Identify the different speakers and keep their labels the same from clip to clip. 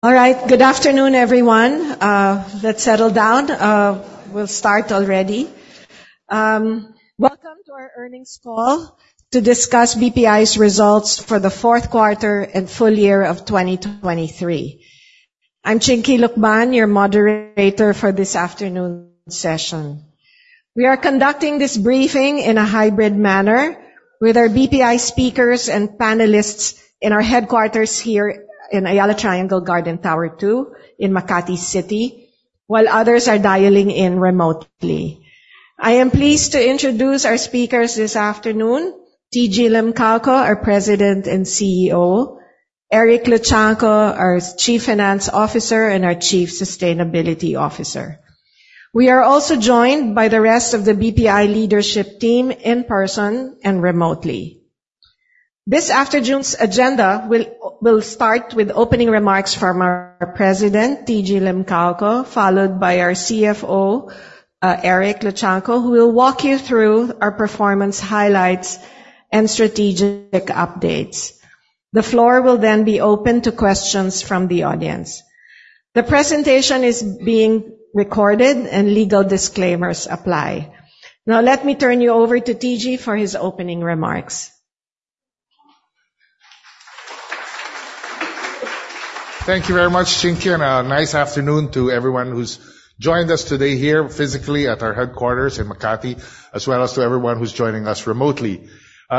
Speaker 1: All right. Good afternoon, everyone. Let's settle down. We'll start already. Welcome to our earnings call to discuss BPI's results for the fourth quarter and full year of 2023. I'm Chinky Lukban, your moderator for this afternoon's session. We are conducting this briefing in a hybrid manner with our BPI speakers and panelists in our headquarters here in Ayala Triangle Garden, Tower Two in Makati City, while others are dialing in remotely. I am pleased to introduce our speakers this afternoon. Jose Teodoro "TG" K. Limcaoco, our President and CEO. Eric Roberto M. Luchangco, our Chief Finance Officer and our Chief Sustainability Officer. We are also joined by the rest of the BPI Leadership Team in person and remotely. This afternoon's agenda will start with opening remarks from our President, Jose Teodoro "TG" K. Limcaoco, followed by our CFO, Eric Roberto M. Luchangco, who will walk you through our performance highlights and strategic updates. The floor will then be open to questions from the audience. The presentation is being recorded and legal disclaimers apply. Now let me turn you over to Jose Teodoro "TG" K. Limcaoco for his opening remarks.
Speaker 2: Thank you very much, Chinky Lukban, and a nice afternoon to everyone who's joined us today here physically at our headquarters in Makati, as well as to everyone who's joining us remotely.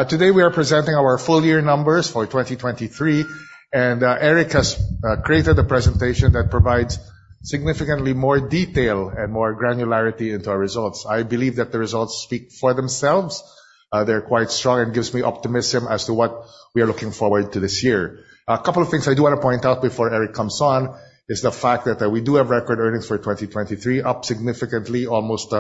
Speaker 2: Today we are presenting our full year numbers for 2023, and Eric has created a presentation that provides significantly more detail and more granularity into our results. I believe that the results speak for themselves. They're quite strong and gives me optimism as to what we are looking forward to this year. A couple of things I do wanna point out before Eric comes on is the fact that we do have record earnings for 2023, up significantly, almost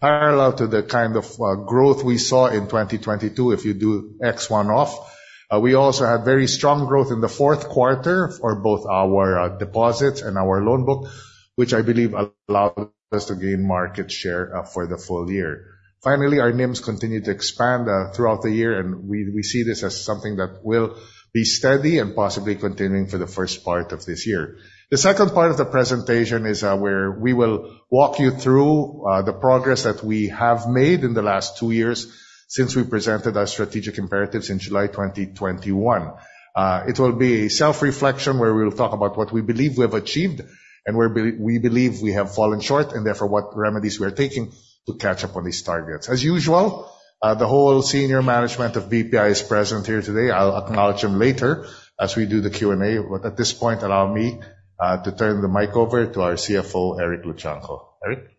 Speaker 2: parallel to the kind of growth we saw in 2022 if you do ex one-off. We also had very strong growth in the fourth quarter for both our deposits and our loan book, which I believe allowed us to gain market share for the full year. Finally, our NIMs continued to expand throughout the year, and we see this as something that will be steady and possibly continuing for the first part of this year. The second part of the presentation is where we will walk you through the progress that we have made in the last two years since we presented our strategic imperatives in July 2021. It will be a self-reflection where we'll talk about what we believe we have achieved and where we believe we have fallen short, and therefore what remedies we are taking to catch up on these targets. As usual, the whole senior management of BPI is present here today. I'll acknowledge them later as we do the Q&A. At this point, allow me to turn the mic over to our CFO, Eric Luchangco. Eric?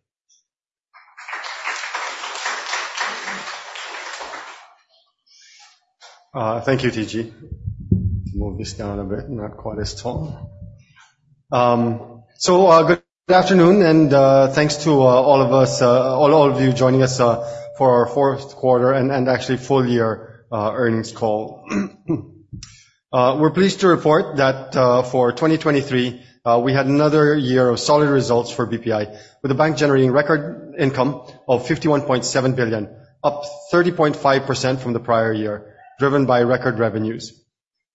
Speaker 3: Thank you, TG. Move this down a bit, not quite as tall. Good afternoon and thanks to all of you joining us for our fourth quarter and actually full year earnings call. We're pleased to report that for 2023 we had another year of solid results for BPI, with the bank generating record income of 51.7 billion, up 30.5% from the prior year, driven by record revenues.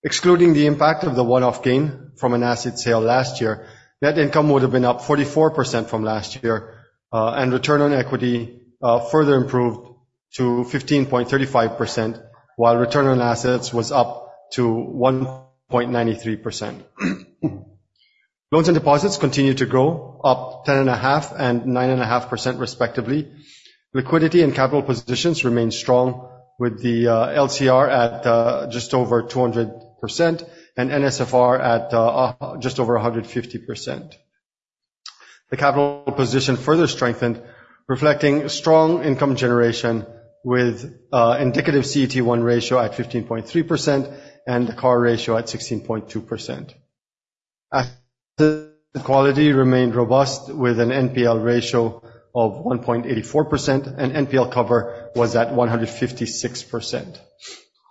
Speaker 3: Excluding the impact of the one-off gain from an asset sale last year, net income would've been up 44% from last year. Return on equity further improved to 15.35%, while return on assets was up to 1.93%. Loans and deposits continued to grow, up 10.5% and 9.5% respectively. Liquidity and capital positions remained strong with the LCR at just over 200% and NSFR at just over 150%. The capital position further strengthened, reflecting strong income generation with indicative CET1 ratio at 15.3% and the CAR ratio at 16.2%. Asset quality remained robust with an NPL ratio of 1.84% and NPL cover at 156%.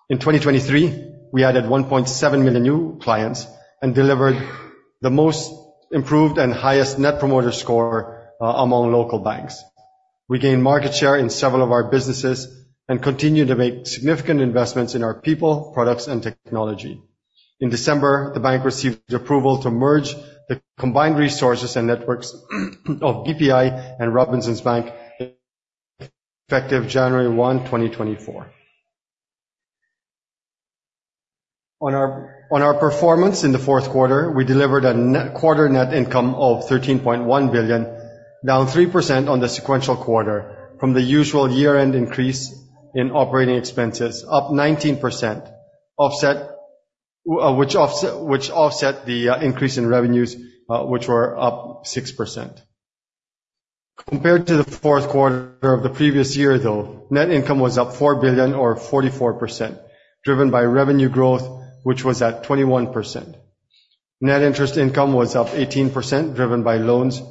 Speaker 3: In 2023, we added 1.7 million new clients and delivered the most improved and highest net promoter score among local banks. We gained market share in several of our businesses and continued to make significant investments in our people, products, and technology. In December, the bank received approval to merge the combined resources and networks of BPI and Robinsons Bank, effective January 1, 2024. On our performance in the fourth quarter, we delivered a net quarter net income of 13.1 billion, down 3% on the sequential quarter from the usual year-end increase in operating expenses, up 19%. Offset which offset the increase in revenues, which were up 6%. Compared to the fourth quarter of the previous year, though, net income was up 4 billion or 44%, driven by revenue growth, which was at 21%. Net interest income was up 18%, driven by loans,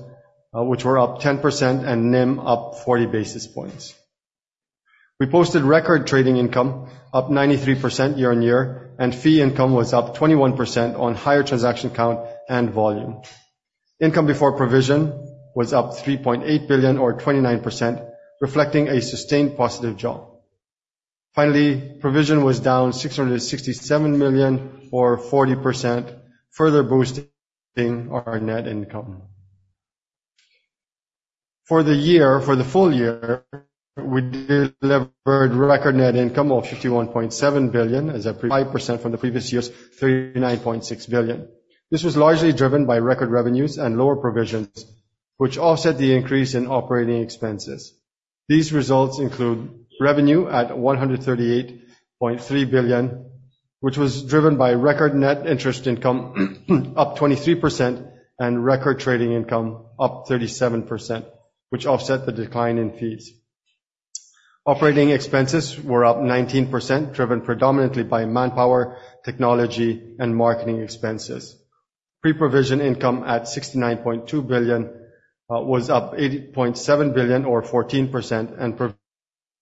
Speaker 3: which were up 10% and NIM up 40 basis points. We posted record trading income up 93% year-on-year, and fee income was up 21% on higher transaction count and volume. Income before provision was up 3.8 billion or 29%, reflecting a sustained positive jaws. Finally, provision was down 667 million or 40%, further boosting our net income. For the full year, we delivered record net income of 51.7 billion, up 30.5% from the previous year's 39.6 billion. This was largely driven by record revenues and lower provisions, which offset the increase in operating expenses. These results include revenue at 138.3 billion, which was driven by record net interest income up 23% and record trading income up 37%, which offset the decline in fees. Operating expenses were up 19%, driven predominantly by manpower, technology, and marketing expenses. Pre-provision income at 69.2 billion was up 80.7 billion or 14%, and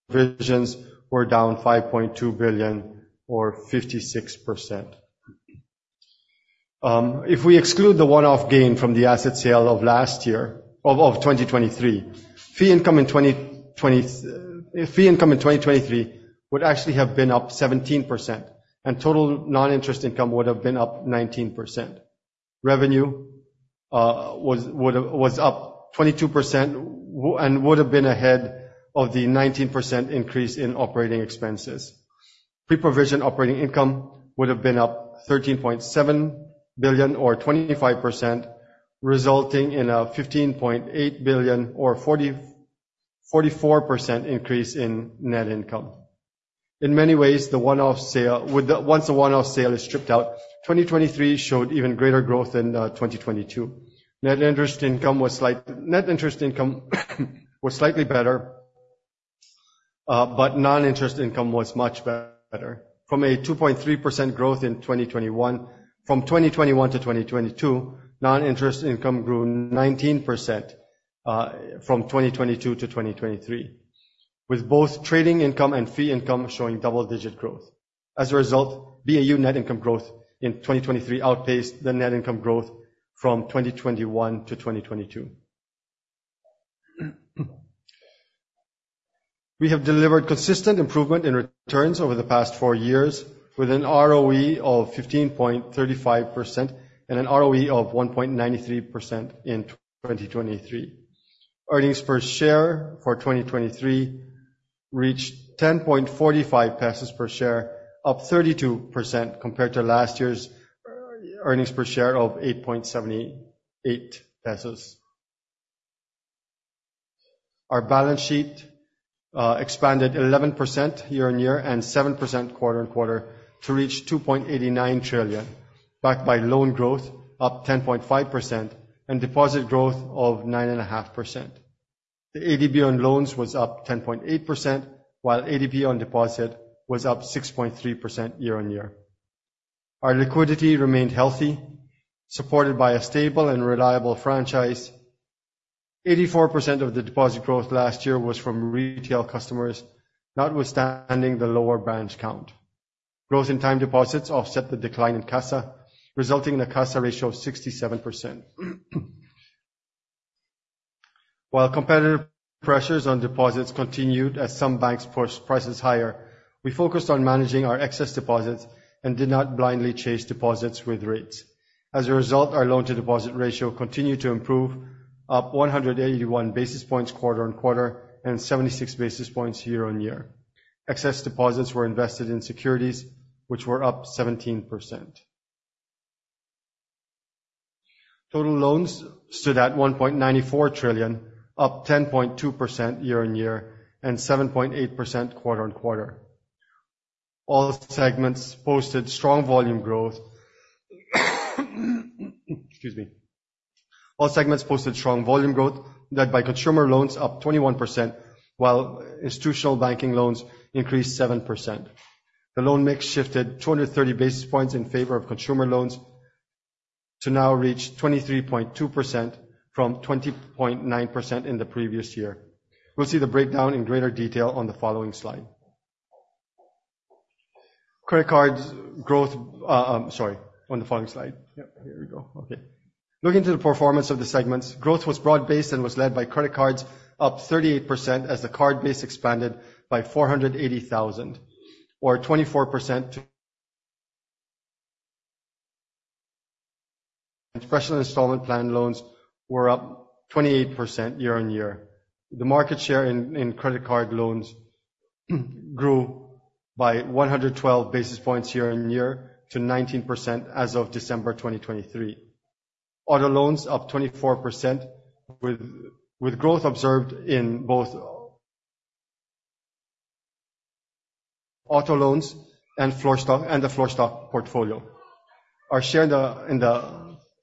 Speaker 3: provisions were down 5.2 billion or 56%. If we exclude the one-off gain from the asset sale of 2023, fee income in 2023 would actually have been up 17%, and total non-interest income would have been up 19%. Revenue was up 22% and would have been ahead of the 19% increase in operating expenses. Pre-provision operating income would have been up 13.7 billion or 25%, resulting in a 15.8 billion or 44% increase in net income. In many ways, once the one-off sale is stripped out, 2023 showed even greater growth than 2022. Net interest income was slightly better, but non-interest income was much better. From a 2.3% growth in 2021, from 2021-2022, non-interest income grew 19%, from 2022-2023, with both trading income and fee income showing double-digit growth. As a result, BAU net income growth in 2023 outpaced the net income growth from 2021-2022. We have delivered consistent improvement in returns over the past four years with an ROE of 15.35% and an ROA of 1.93% in 2023. Earnings per share for 2023 reached 10.45 pesos per share, up 32% compared to last year's earnings per share of 8.78 pesos. Our balance sheet expanded 11% year-on-year and 7% quarter-on-quarter to reach 2.89 trillion, backed by loan growth up 10.5% and deposit growth of 9.5%. The ADB on loans was up 10.8%, while ADB on deposit was up 6.3% year-on-year. Our liquidity remained healthy, supported by a stable and reliable franchise. 84% of the deposit growth last year was from retail customers, notwithstanding the lower branch count. Growth in time deposits offset the decline in CASA, resulting in a CASA ratio of 67%. While competitive pressures on deposits continued as some banks pushed prices higher, we focused on managing our excess deposits and did not blindly chase deposits with rates. As a result, our loan to deposit ratio continued to improve, up 181 basis points quarter-on-quarter and 76 basis points year-on-year. Excess deposits were invested in securities, which were up 17%. Total loans stood at 1.94 trillion, up 10.2% year-on-year and 7.8% quarter-on-quarter. All segments posted strong volume growth led by consumer loans up 21%, while institutional banking loans increased 7%. The loan mix shifted 230 basis points in favor of consumer loans to now reach 23.2% from 20.9% in the previous year. We'll see the breakdown in greater detail on the following slide. Credit Cards Growth. On the following slide. Looking to the performance of the segments, growth was broad-based and was led by credit cards up 38% as the card base expanded by 480,000 or 24%. Special installment plan loans were up 28% year-on-year. The market share in credit card loans grew by 112 basis points year-on-year to 19% as of December 2023. Auto loans up 24% with growth observed in both auto loans and floor stock and the floor stock portfolio. Our share in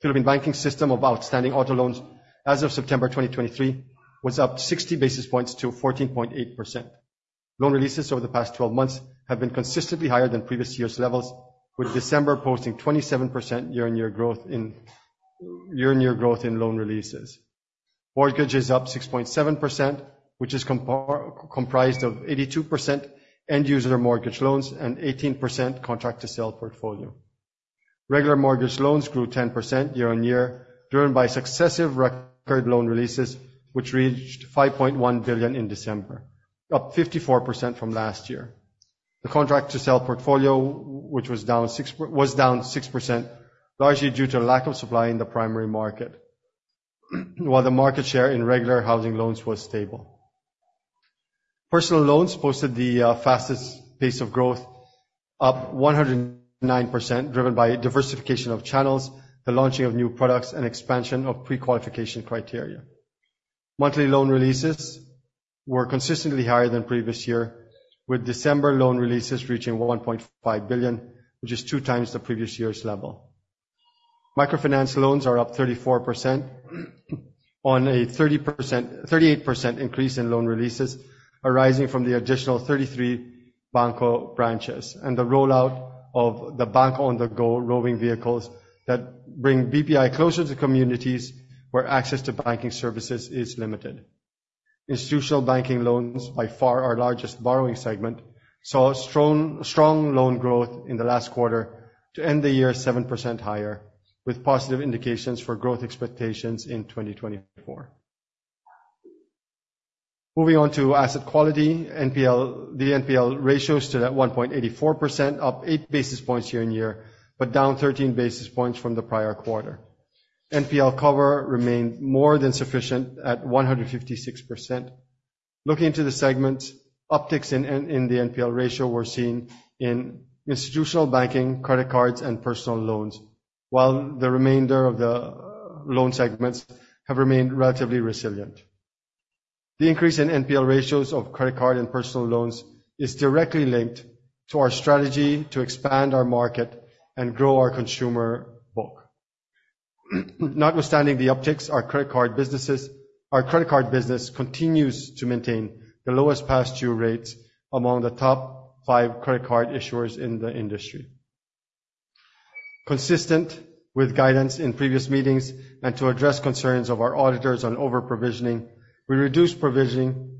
Speaker 3: the Philippine banking system of outstanding auto loans as of September 2023 was up 60 basis points to 14.8%. Loan releases over the past 12 months have been consistently higher than previous years' levels, with December posting 27% year-on-year growth in loan releases. Mortgage is up 6.7%, which is comprised of 82% end user mortgage loans and 18% contract to sell portfolio. Regular mortgage loans grew 10% year-on-year, driven by successive record loan releases, which reached 5.1 billion in December, up 54% from last year. The contract to sell portfolio, which was down 6%, largely due to lack of supply in the primary market, while the market share in regular housing loans was stable. Personal loans posted the fastest pace of growth, up 109%, driven by diversification of channels, the launching of new products, and expansion of pre-qualification criteria. Monthly loan releases were consistently higher than previous year, with December loan releases reaching 1.5 billion, which is two times the previous year's level. Microfinance loans are up 34% on a 38% increase in loan releases arising from the additional 33 BanKo branches and the rollout of the BanKo-on-the-Go roving vehicles that bring BPI closer to communities where access to banking services is limited. Institutional banking loans, by far our largest borrowing segment, saw strong loan growth in the last quarter to end the year 7% higher, with positive indications for growth expectations in 2024. Moving on to asset quality, NPL. The NPL ratio stood at 1.84%, up 8 basis points year-on-year, but down 13 basis points from the prior quarter. NPL cover remained more than sufficient at 156%. Looking to the segment, upticks in the NPL ratio were seen in institutional banking, credit cards, and personal loans, while the remainder of the loan segments have remained relatively resilient. The increase in NPL ratios of credit card and personal loans is directly linked to our strategy to expand our market and grow our consumer book. Notwithstanding the upticks, our credit card business continues to maintain the lowest past due rates among the top five credit card issuers in the industry. Consistent with guidance in previous meetings and to address concerns of our auditors on over-provisioning, we reduced provisioning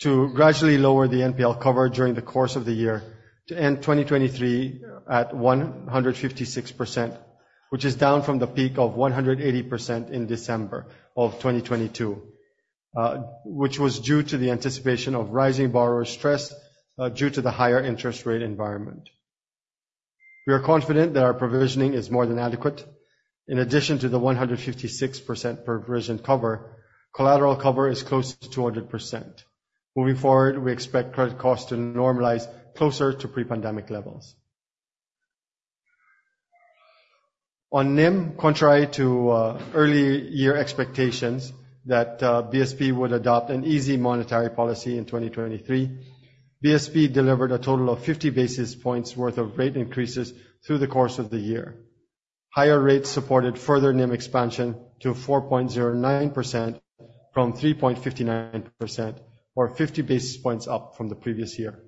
Speaker 3: to gradually lower the NPL cover during the course of the year to end 2023 at 156%, which is down from the peak of 180% in December 2022, which was due to the anticipation of rising borrower stress, due to the higher interest rate environment. We are confident that our provisioning is more than adequate. In addition to the 156% provision cover, collateral cover is close to 200%. Moving forward, we expect credit cost to normalize closer to pre-pandemic levels. On NIM, contrary to early year expectations that BSP would adopt an easy monetary policy in 2023, BSP delivered a total of 50 basis points worth of rate increases through the course of the year. Higher rates supported further NIM expansion to 4.09% from 3.59% or 50 basis points up from the previous year.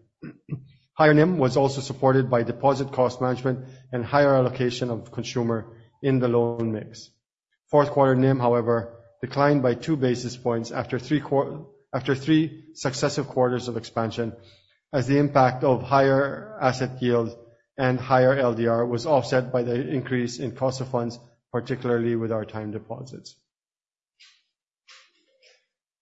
Speaker 3: Higher NIM was also supported by deposit cost management and higher allocation of consumer in the loan mix. Fourth quarter NIM, however, declined by 2 basis points after three successive quarters of expansion as the impact of higher asset yield and higher LDR was offset by the increase in cost of funds, particularly with our time deposits.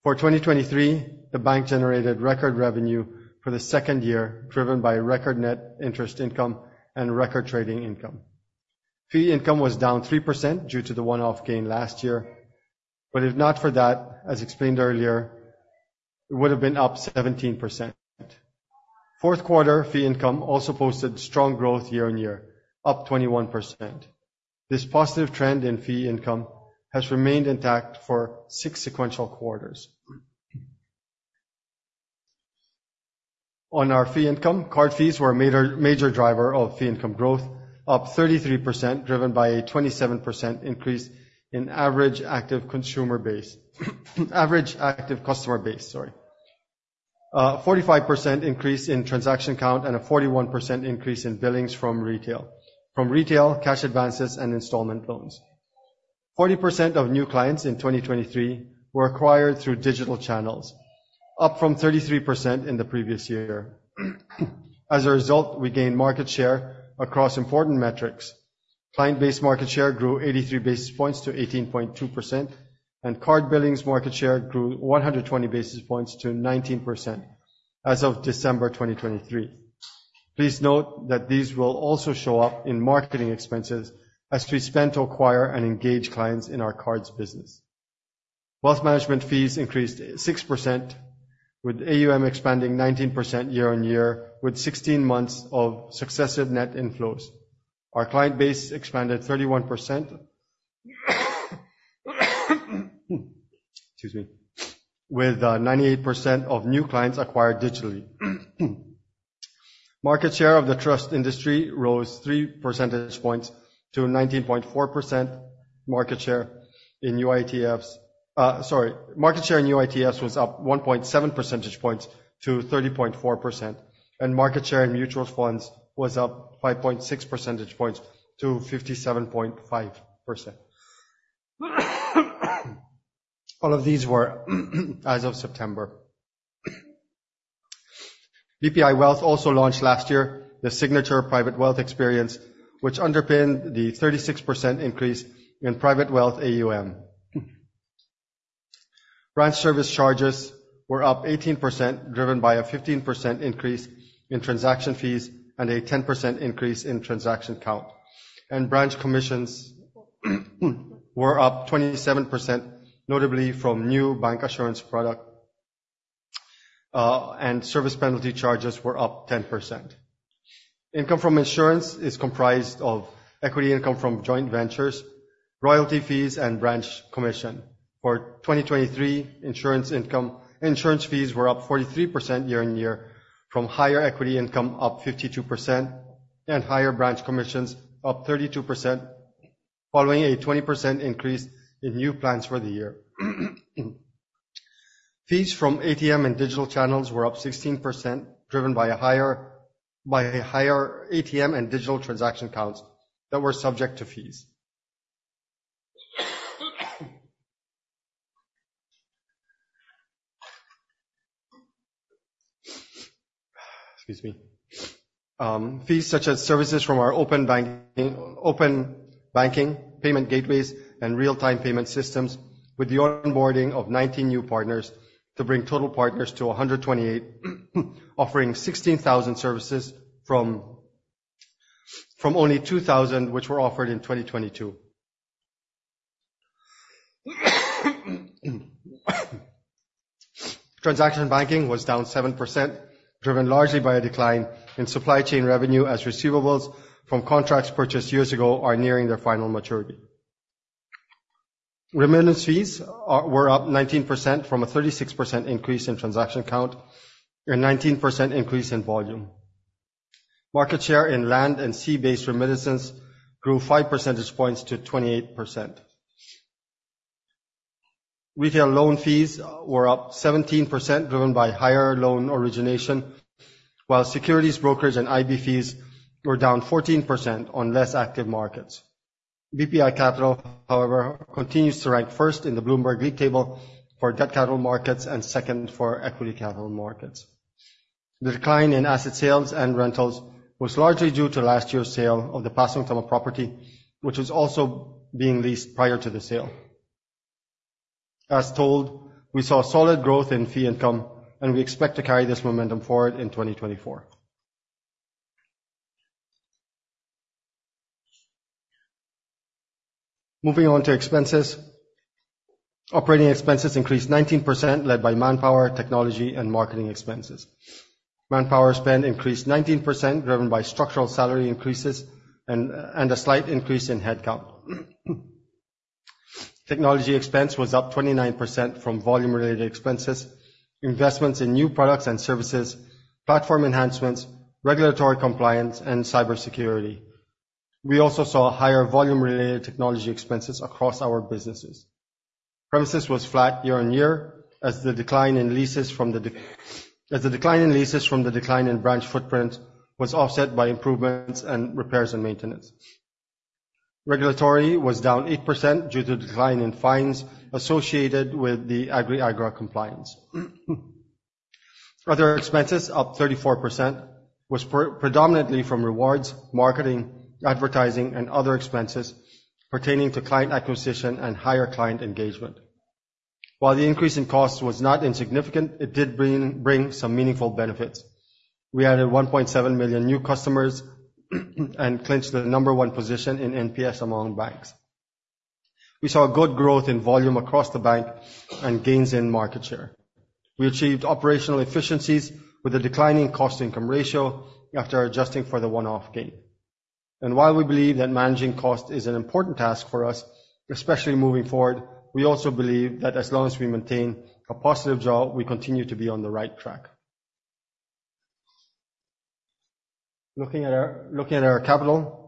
Speaker 3: For 2023, the bank generated record revenue for the second year driven by record net interest income and record trading income. Fee income was down 3% due to the one-off gain last year, but if not for that, as explained earlier, it would have been up 17%. Fourth quarter fee income also posted strong growth year-on-year, up 21%. This positive trend in fee income has remained intact for six sequential quarters. On our fee income, card fees were a major driver of fee income growth, up 33%, driven by a 27% increase in average active consumer base. Average active customer base. 45% increase in transaction count and a 41% increase in billings from retail, cash advances, and installment loans. 40% of new clients in 2023 were acquired through digital channels, up from 33% in the previous year. As a result, we gained market share across important metrics. Client base market share grew 83 basis points to 18.2%, and card billings market share grew 120 basis points to 19% as of December 2023. Please note that these will also show up in marketing expenses as we spend to acquire and engage clients in our cards business. Wealth management fees increased 6%, with AUM expanding 19% year-on-year with 16 months of successive net inflows. Our client base expanded 31% with 98% of new clients acquired digitally. Market share of the trust industry rose 3 percentage points to 19.4% market share in UITFs. Market share in UITFs was up 1.7 percentage points to 30.4%, and market share in mutual funds was up 5.6 percentage points to 57.5%. All of these were as of September. BPI Wealth also launched last year the signature private wealth experience, which underpinned the 36% increase in private wealth AUM. Branch service charges were up 18%, driven by a 15% increase in transaction fees and a 10% increase in transaction count. Branch commissions were up 27%, notably from new bancassurance product. Service penalty charges were up 10%. Income from insurance is comprised of equity income from joint ventures, royalty fees, and branch commissions. For 2023, insurance fees were up 43% year-on-year from higher equity income up 52% and higher branch commissions up 32%, following a 20% increase in new plans for the year. Fees from ATM and digital channels were up 16%, driven by a higher ATM and digital transaction counts that were subject to fees. Excuse me. Fees such as services from our open banking payment gateways and real-time payment systems with the onboarding of 19 new partners to bring total partners to 128, offering 16,000 services from only 2,000 which were offered in 2022. Transaction banking was down 7%, driven largely by a decline in supply chain revenue as receivables from contracts purchased years ago are nearing their final maturity. Remittance fees were up 19% from a 36% increase in transaction count and 19% increase in volume. Market share in land and sea-based remittances grew five percentage points to 28%. Retail loan fees were up 17% driven by higher loan origination, while securities brokers and IB fees were down 14% on less active markets. BPI Capital, however, continues to rank first in the Bloomberg League Table for debt capital markets and second for equity capital markets. The decline in asset sales and rentals was largely due to last year's sale of the Pasong Tamo property, which was also being leased prior to the sale. As told, we saw solid growth in fee income, and we expect to carry this momentum forward in 2024. Moving on to expenses. Operating expenses increased 19%, led by manpower, technology, and marketing expenses. Manpower spend increased 19%, driven by structural salary increases and a slight increase in headcount. Technology expense was up 29% from volume-related expenses, investments in new products and services, platform enhancements, regulatory compliance, and cybersecurity. We also saw higher volume-related technology expenses across our businesses. Premises was flat year-on-year as the decline in leases from the decline in branch footprint was offset by improvements and repairs and maintenance. Regulatory was down 8% due to decline in fines associated with the Agri-Agra compliance. Other expenses up 34% was predominantly from rewards, marketing, advertising, and other expenses pertaining to client acquisition and higher client engagement. While the increase in cost was not insignificant, it did bring some meaningful benefits. We added 1.7 million new customers and clinched the number one position in NPS among banks. We saw good growth in volume across the bank and gains in market share. We achieved operational efficiencies with a declining cost-income ratio after adjusting for the one-off gain. While we believe that managing cost is an important task for us, especially moving forward, we also believe that as long as we maintain a positive jaws, we continue to be on the right track. Looking at our capital.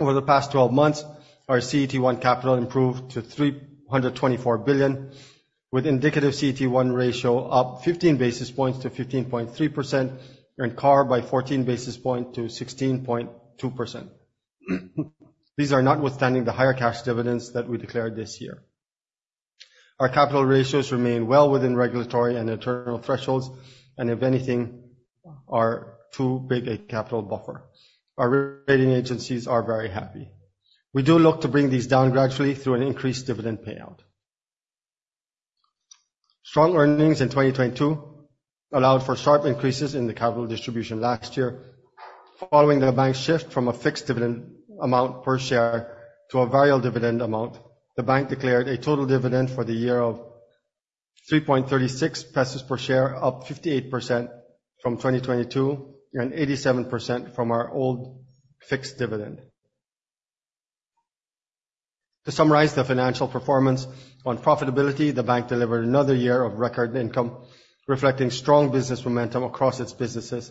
Speaker 3: Over the past twelve months, our CET1 capital improved to 324 billion, with indicative CET1 ratio up 15 basis points to 15.3% and CAR by 14 basis points to 16.2%. These are notwithstanding the higher cash dividends that we declared this year. Our capital ratios remain well within regulatory and internal thresholds, and if anything are too big a capital buffer. Our rating agencies are very happy. We do look to bring these down gradually through an increased dividend payout. Strong earnings in 2022 allowed for sharp increases in the capital distribution last year. Following the bank's shift from a fixed dividend amount per share to a variable dividend amount, the bank declared a total dividend for the year of 3.36 pesos per share, up 58% from 2022 and 87% from our old fixed dividend. To summarize the financial performance on profitability, the bank delivered another year of record income, reflecting strong business momentum across its businesses.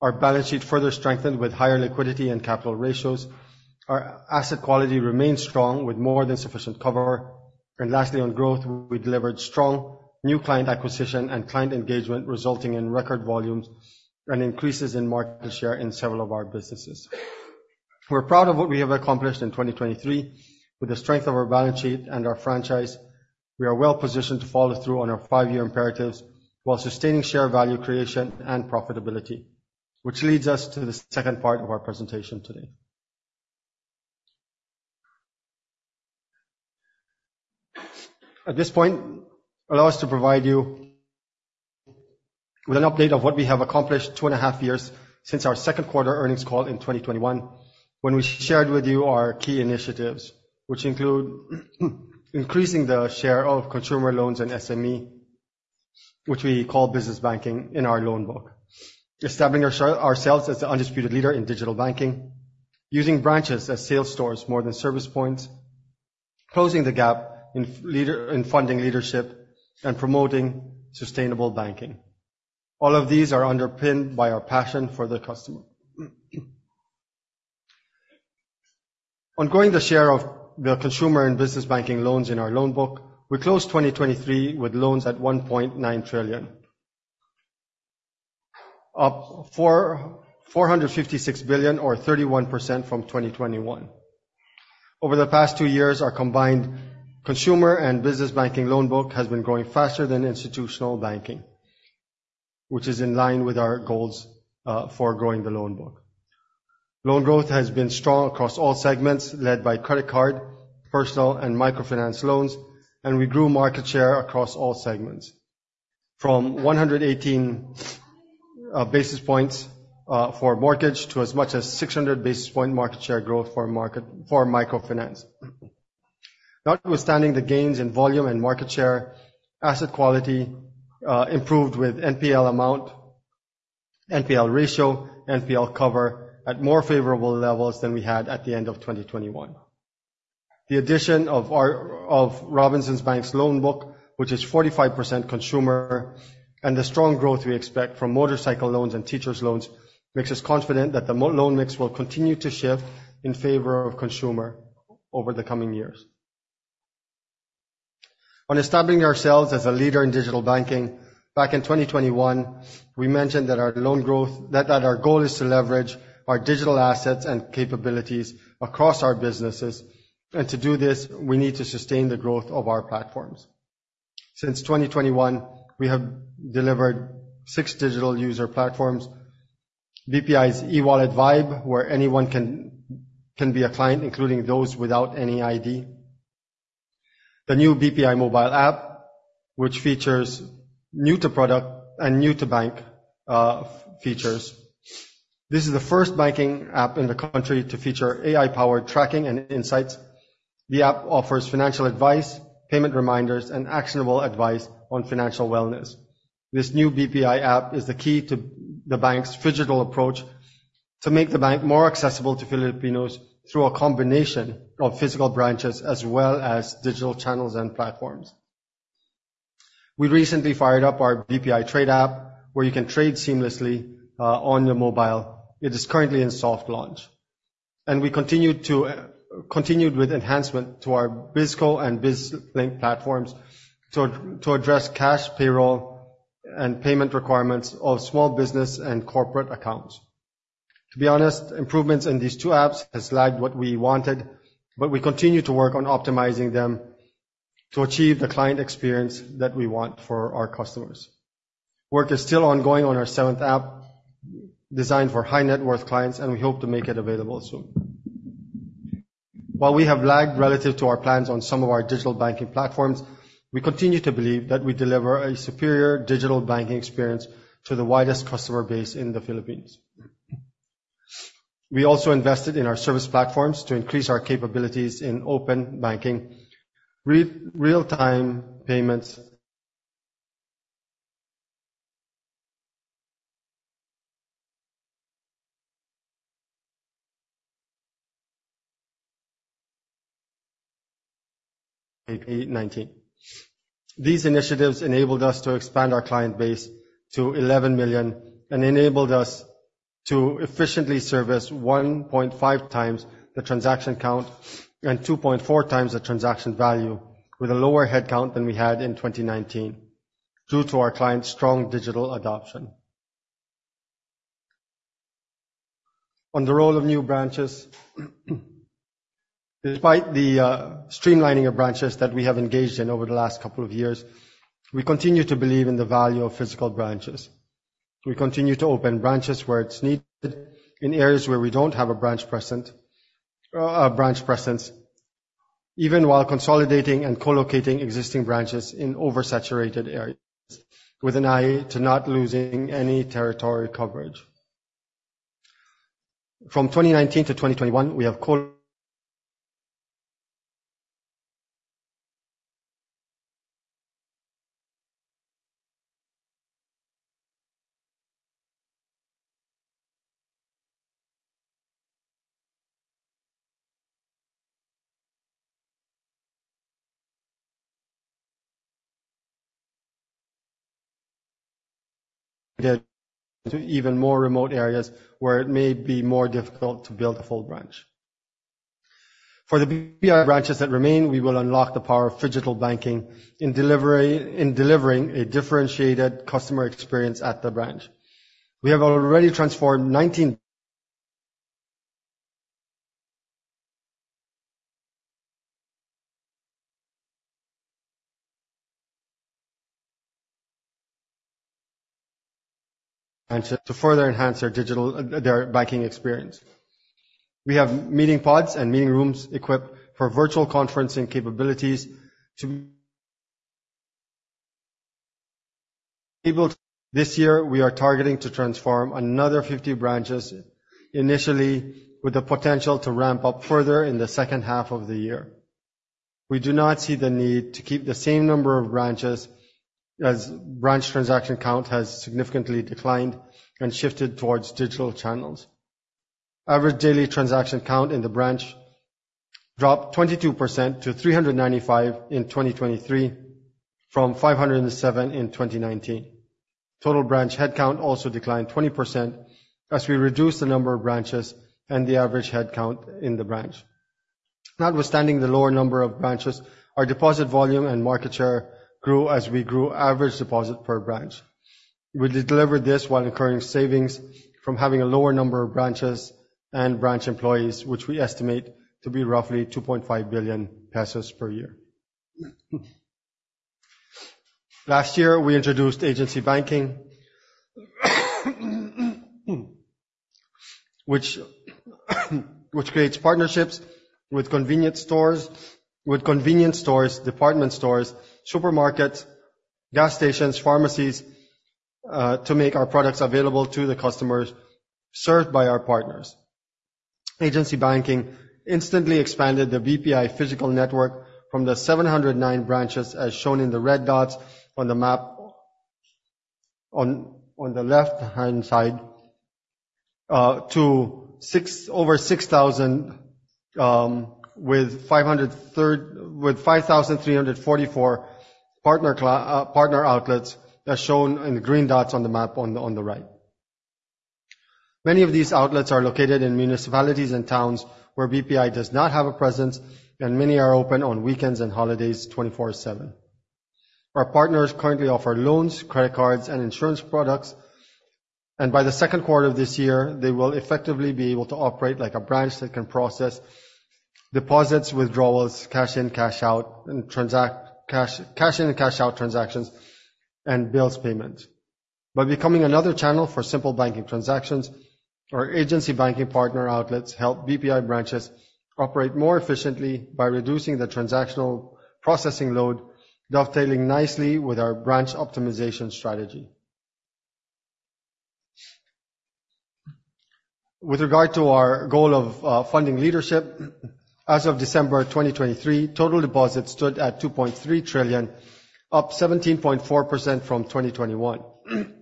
Speaker 3: Our balance sheet further strengthened with higher liquidity and capital ratios. Our asset quality remains strong with more than sufficient cover. Lastly, on growth, we delivered strong new client acquisition and client engagement, resulting in record volumes and increases in market share in several of our businesses. We're proud of what we have accomplished in 2023. With the strength of our balance sheet and our franchise, we are well-positioned to follow through on our five-year imperatives while sustaining share value creation and profitability. Which leads us to the second part of our presentation today. At this point, allow us to provide you with an update of what we have accomplished 2.5 years since our second quarter earnings call in 2021, when we shared with you our key initiatives, which include increasing the share of consumer loans and SME, which we call business banking in our loan book. Establishing ourselves as the undisputed leader in digital banking. Using branches as sales stores more than service points. Closing the gap in funding leadership, and promoting sustainable banking. All of these are underpinned by our passion for the customer. On growing the share of the consumer and business banking loans in our loan book, we closed 2023 with loans at 1.9 trillion. Up 456 billion or 31% from 2021. Over the past two years, our combined consumer and business banking loan book has been growing faster than institutional banking. Which is in line with our goals for growing the loan book. Loan growth has been strong across all segments, led by credit card, personal and microfinance loans, and we grew market share across all segments. From 118 basis points for mortgage to as much as 600 basis points market share growth for microfinance. Notwithstanding the gains in volume and market share, asset quality improved with NPL amount, NPL ratio, NPL cover at more favorable levels than we had at the end of 2021. The addition of our of Robinsons Bank's loan book, which is 45% consumer, and the strong growth we expect from motorcycle loans and teachers loans, makes us confident that the loan mix will continue to shift in favor of consumer over the coming years. On establishing ourselves as a leader in digital banking, back in 2021, we mentioned that our goal is to leverage our digital assets and capabilities across our businesses. To do this, we need to sustain the growth of our platforms. Since 2021, we have delivered six digital user platforms. BPI's eWallet Vybe, where anyone can be a client, including those without any ID. The new BPI mobile app, which features new-to-product and new-to-bank features. This is the first banking app in the country to feature AI-powered tracking and insights. The app offers financial advice, payment reminders, and actionable advice on financial wellness. This new BPI app is the key to the bank's phygital approach to make the bank more accessible to Filipinos through a combination of physical branches as well as digital channels and platforms. We recently fired up our BPI Trade app, where you can trade seamlessly on your mobile. It is currently in soft launch. We continued with enhancement to our BizKo and BizLink platforms to address cash payroll and payment requirements of small business and corporate accounts. To be honest, improvements in these two apps has lagged what we wanted, but we continue to work on optimizing them to achieve the client experience that we want for our customers. Work is still ongoing on our seventh app designed for high net worth clients, and we hope to make it available soon. While we have lagged relative to our plans on some of our digital banking platforms, we continue to believe that we deliver a superior digital banking experience to the widest customer base in the Philippines. We also invested in our service platforms to increase our capabilities in open banking, real-time payments. These initiatives enabled us to expand our client base to 11 million and enabled us to efficiently service 1.5 times the transaction count and 2.4 times the transaction value with a lower headcount than we had in 2019 due to our clients' strong digital adoption. On the role of new branches, despite the streamlining of branches that we have engaged in over the last couple of years, we continue to believe in the value of physical branches. We continue to open branches where it's needed in areas where we don't have a branch presence, even while consolidating and co-locating existing branches in oversaturated areas with an eye to not losing any territory coverage. From 2019-2021, we have co... To even more remote areas where it may be more difficult to build a full branch. For the BPI branches that remain, we will unlock the power of digital banking in delivery, in delivering a differentiated customer experience at the branch. We have already transformed nineteen. To further enhance their digital banking experience. We have meeting pods and meeting rooms equipped for virtual conferencing capabilities. This year, we are targeting to transform another 50 branches, initially with the potential to ramp up further in the second half of the year. We do not see the need to keep the same number of branches as branch transaction count has significantly declined and shifted towards digital channels. Average daily transaction count in the branch dropped 22% to 395 in 2023, from 507 in 2019. Total branch headcount also declined 20% as we reduced the number of branches and the average headcount in the branch. Notwithstanding the lower number of branches, our deposit volume and market share grew as we grew average deposit per branch. We delivered this while incurring savings from having a lower number of branches and branch employees, which we estimate to be roughly 2.5 billion pesos per year. Last year, we introduced agency banking, which creates partnerships with convenience stores, department stores, supermarkets, gas stations, pharmacies, to make our products available to the customers served by our partners. Agency banking instantly expanded the BPI physical network from the 709 branches, as shown in the red dots on the map on the left-hand side, to over 6,000, with 5,344 partner outlets, as shown in the green dots on the map on the right. Many of these outlets are located in municipalities and towns where BPI does not have a presence, and many are open on weekends and holidays 24/7. Our partners currently offer loans, credit cards, and insurance products, and by the second quarter of this year, they will effectively be able to operate like a branch that can process deposits, withdrawals, cash in, cash out, and transact cash in and cash out transactions and bills payment. By becoming another channel for simple banking transactions, our agency banking partner outlets help BPI branches operate more efficiently by reducing the transactional processing load, dovetailing nicely with our branch optimization strategy. With regard to our goal of funding leadership, as of December 2023, total deposits stood at 2.3 trillion, up 17.4% from 2021.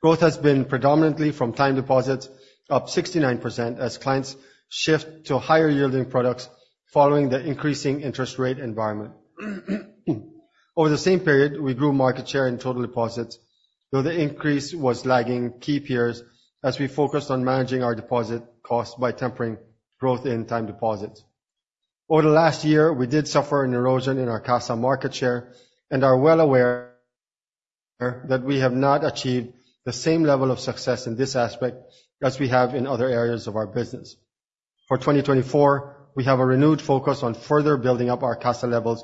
Speaker 3: Growth has been predominantly from time deposits, up 69% as clients shift to higher yielding products following the increasing interest rate environment. Over the same period, we grew market share in total deposits, though the increase was lagging key peers as we focused on managing our deposit cost by tempering growth in time deposits. Over the last year, we did suffer an erosion in our CASA market share and are well aware that we have not achieved the same level of success in this aspect as we have in other areas of our business. For 2024, we have a renewed focus on further building up our CASA levels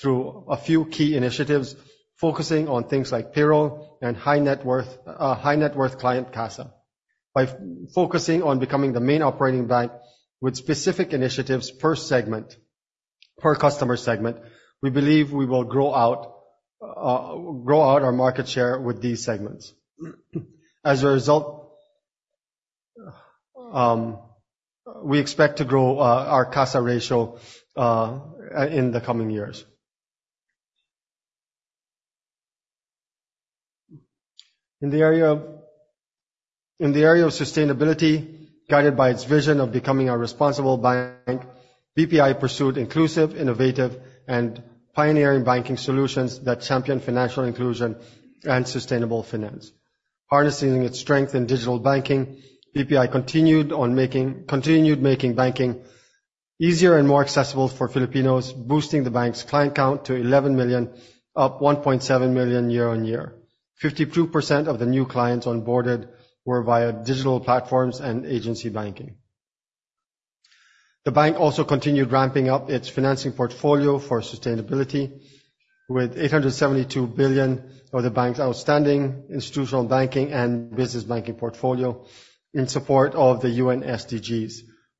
Speaker 3: through a few key initiatives, focusing on things like payroll and high net worth, high net worth client CASA. By focusing on becoming the main operating bank with specific initiatives per customer segment, we believe we will grow out our market share with these segments. As a result, we expect to grow our CASA ratio in the coming years. In the area of sustainability, guided by its vision of becoming a responsible bank, BPI pursued inclusive, innovative, and pioneering banking solutions that champion financial inclusion and sustainable finance. Harnessing its strength in digital banking, BPI continued making banking easier and more accessible for Filipinos, boosting the bank's client count to 11 million, up 1.7 million year-on-year. 52% of the new clients onboarded were via digital platforms and agency banking. The bank also continued ramping up its financing portfolio for sustainability with 872 billion of the bank's outstanding institutional banking and business banking portfolio in support of the UN SDGs,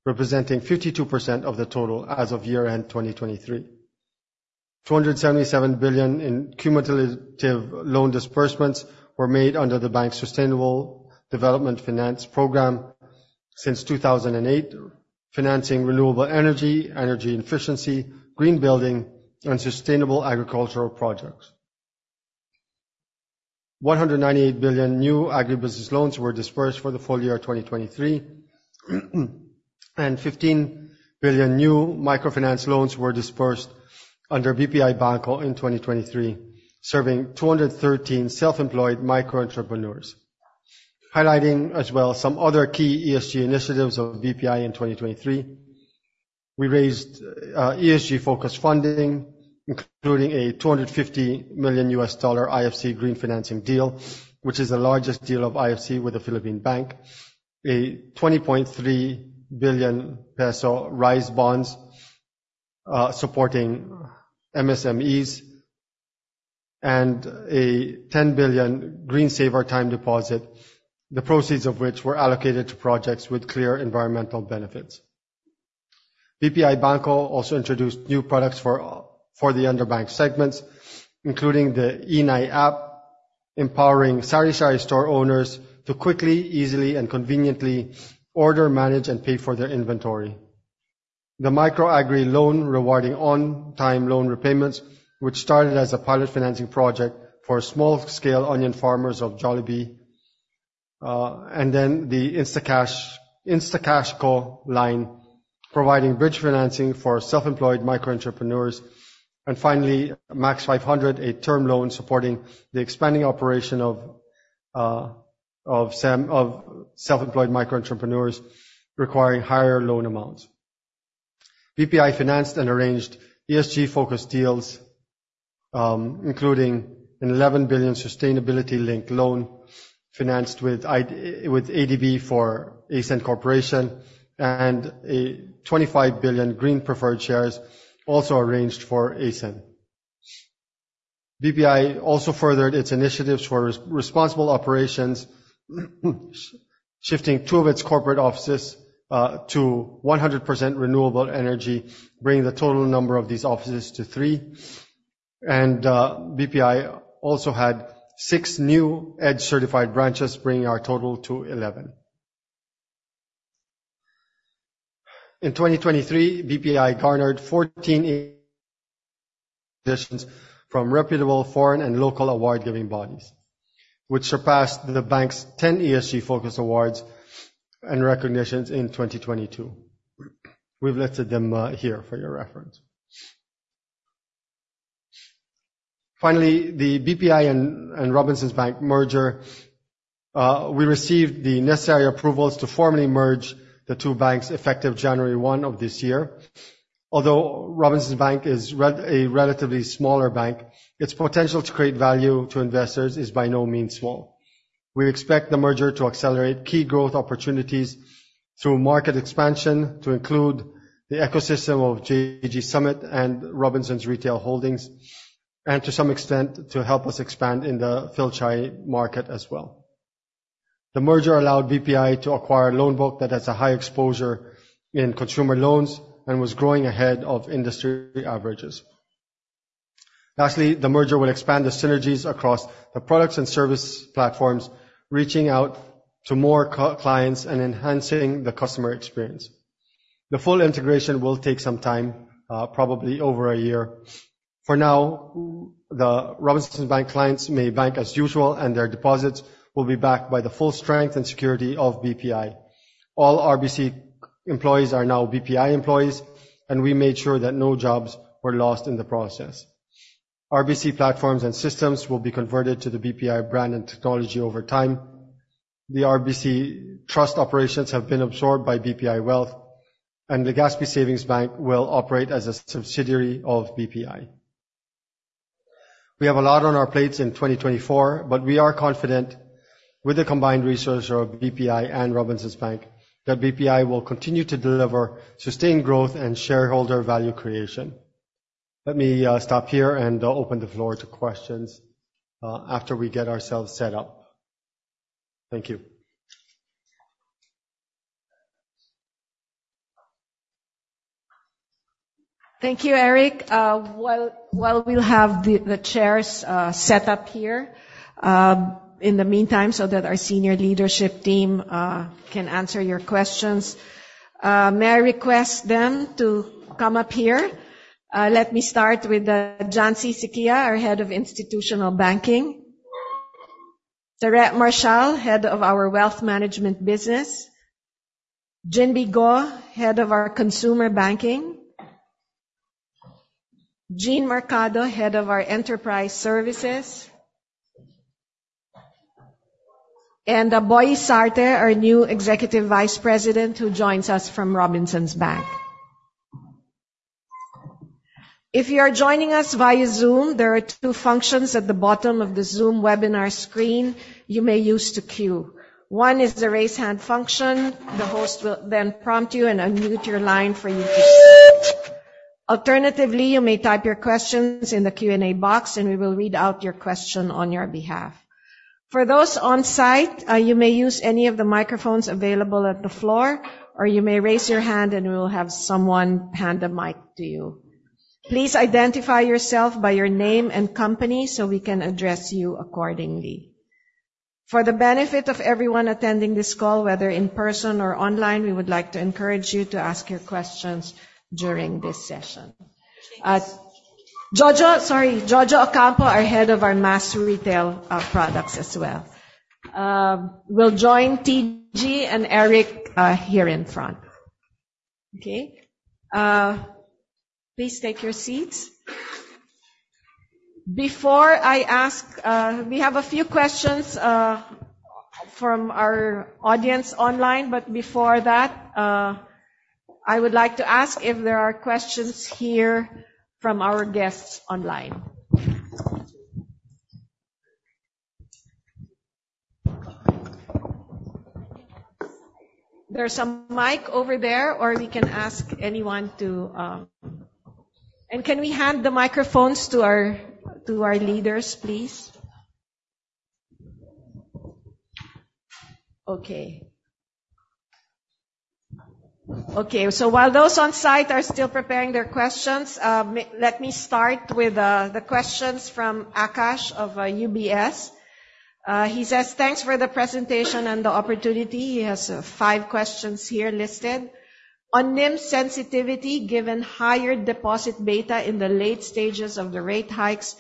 Speaker 3: representing 52% of the total as of year-end 2023. 277 billion in cumulative loan disbursements were made under the bank's Sustainable Development Finance program since 2008, financing renewable energy efficiency, green building, and sustainable agricultural projects. 198 billion new agribusiness loans were disbursed for the full year of 2023, and 15 billion new microfinance loans were disbursed under BPI BanKo in 2023, serving 213 self-employed micro entrepreneurs. Highlighting as well some other key ESG initiatives of BPI in 2023. We raised ESG-focused funding, including a $250 million IFC green financing deal, which is the largest deal of IFC with a Philippine bank. A 20.3 billion peso RISE bonds supporting MSMEs, and a 10 billion Green Saver Time Deposit, the proceeds of which were allocated to projects with clear environmental benefits. BPI Bank also introduced new products for the underbanked segments, including the iNai app, empowering sari-sari store owners to quickly, easily, and conveniently order, manage and pay for their inventory. The Micro Agri Loan rewarding on-time loan repayments, which started as a pilot financing project for small-scale onion farmers of Jollibee. And then the InstaCash line, providing bridge financing for self-employed micro entrepreneurs. Finally, Max 500, a term loan supporting the expanding operation of self-employed micro entrepreneurs requiring higher loan amounts. BPI financed and arranged ESG-focused deals, including a 11 billion sustainability-linked loan financed with ADB for ACEN Corporation and a 25 billion green preferred shares also arranged for ACEN. BPI also furthered its initiatives for responsible operations, shifting two of its corporate offices to 100% renewable energy, bringing the total number of these offices to three. BPI also had six new EDGE-certified branches, bringing our total to 11. In 2023, BPI garnered 14 recognitions from reputable foreign and local award-giving bodies, which surpassed the bank's 10 ESG-focused awards and recognitions in 2022. We've listed them here for your reference. Finally, the BPI and Robinsons Bank merger, we received the necessary approvals to formally merge the two banks effective January 1 of this year. Although Robinsons Bank is a relatively smaller bank, its potential to create value to investors is by no means small. We expect the merger to accelerate key growth opportunities through market expansion to include the ecosystem of JG Summit and Robinsons Retail Holdings, and to some extent, to help us expand in the Fil-Chi market as well. The merger allowed BPI to acquire a loan book that has a high exposure in consumer loans and was growing ahead of industry averages. Lastly, the merger will expand the synergies across the products and service platforms, reaching out to more C-clients and enhancing the customer experience. The full integration will take some time, probably over a year. For now, the Robinsons Bank clients may bank as usual, and their deposits will be backed by the full strength and security of BPI. All RBC employees are now BPI employees, and we made sure that no jobs were lost in the process. Robinsons Bank platforms and systems will be converted to the BPI brand and technology over time. The Robinsons Bank trust operations have been absorbed by BPI Wealth, and the Legazpi Savings Bank will operate as a subsidiary of BPI. We have a lot on our plates in 2024, but we are confident, with the combined resources of BPI and Robinsons Bank, that BPI will continue to deliver sustained growth and shareholder value creation. Let me stop here and open the floor to questions after we get ourselves set up. Thank you.
Speaker 1: Thank you, Eric. While we'll have the chairs set up here, in the meantime, so that our senior leadership team can answer your questions, may I request them to come up here? Let me start with John-C Syquia, our Head of Institutional Banking. Maria Theresa D. Marcial, Head of our Wealth Management business. Maria Cristina Go, Head of our Consumer Banking. Gene Mercado, Head of our Enterprise Services. And Elfren Antonio S. Sarte, our new Executive Vice President, who joins us from Robinsons Bank. If you are joining us via Zoom, there are two functions at the bottom of the Zoom webinar screen you may use to queue. One is the Raise Hand function. The host will then prompt you and unmute your line for you to speak. Alternatively, you may type your questions in the Q&A box, and we will read out your question on your behalf. For those on-site, you may use any of the microphones available at the floor, or you may raise your hand, and we will have someone hand the mic to you. Please identify yourself by your name and company, so we can address you accordingly. For the benefit of everyone attending this call, whether in person or online, we would like to encourage you to ask your questions during this session. Jojo Ocampo, our head of our Mass Retail Products as well, will join TG and Eric here in front. Okay. Please take your seats. Before I ask, we have a few questions from our audience online, but before that, I would like to ask if there are questions here from our guests online. There's a mic over there, or we can ask anyone to. Can we hand the microphones to our leaders, please? Okay. While those on site are still preparing their questions, let me start with the questions from Aakash of UBS. He says, "Thanks for the presentation and the opportunity." He has five questions here listed. On NIM sensitivity, given higher deposit beta in the late stages of the rate hikes,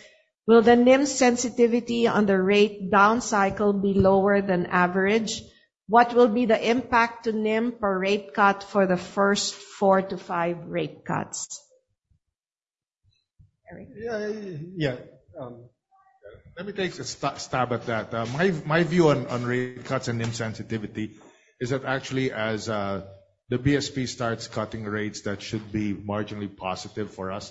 Speaker 1: will the NIM sensitivity on the rate down cycle be lower than average? What will be the impact to NIM per rate cut for the first four-five rate cuts? Eric?
Speaker 2: Yeah. Yeah. Let me take a stab at that. My view on rate cuts and NIM sensitivity is that actually as the BSP starts cutting rates, that should be marginally positive for us.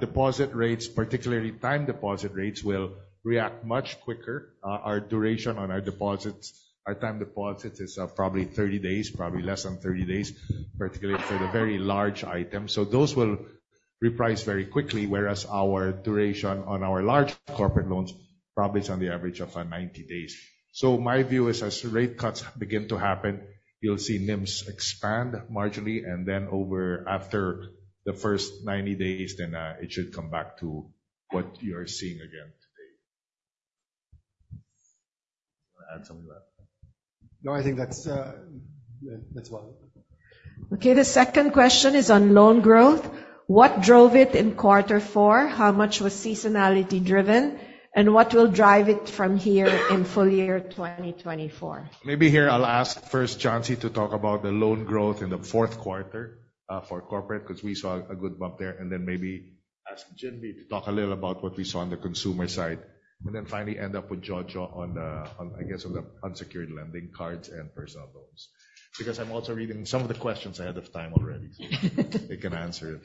Speaker 2: Deposit rates, particularly time deposit rates, will react much quicker. Our duration on our deposits, our time deposits is probably 30 days, probably less than 30 days, particularly for the very large items. Those will reprice very quickly, whereas our duration on our large corporate loans probably is on the average of 90 days. My view is as rate cuts begin to happen, you'll see NIMs expand marginally, and then over after the first 90 days, then it should come back to what you're seeing again today. Do you wanna add something to that?
Speaker 4: No, I think that's well.
Speaker 1: Okay. The second question is on loan growth. What drove it in quarter four? How much was seasonality driven? What will drive it from here in full year 2024?
Speaker 2: Maybe here I'll ask first John-C Syquia to talk about the loan growth in the fourth quarter for corporate, 'cause we saw a good bump there, and then maybe ask Maria Cristina Go to talk a little about what we saw on the consumer side. Then finally end up with Marie Josephine Ocampo on, I guess, on the unsecured lending cards and personal loans. Because I'm also reading some of the questions ahead of time already. They can answer it.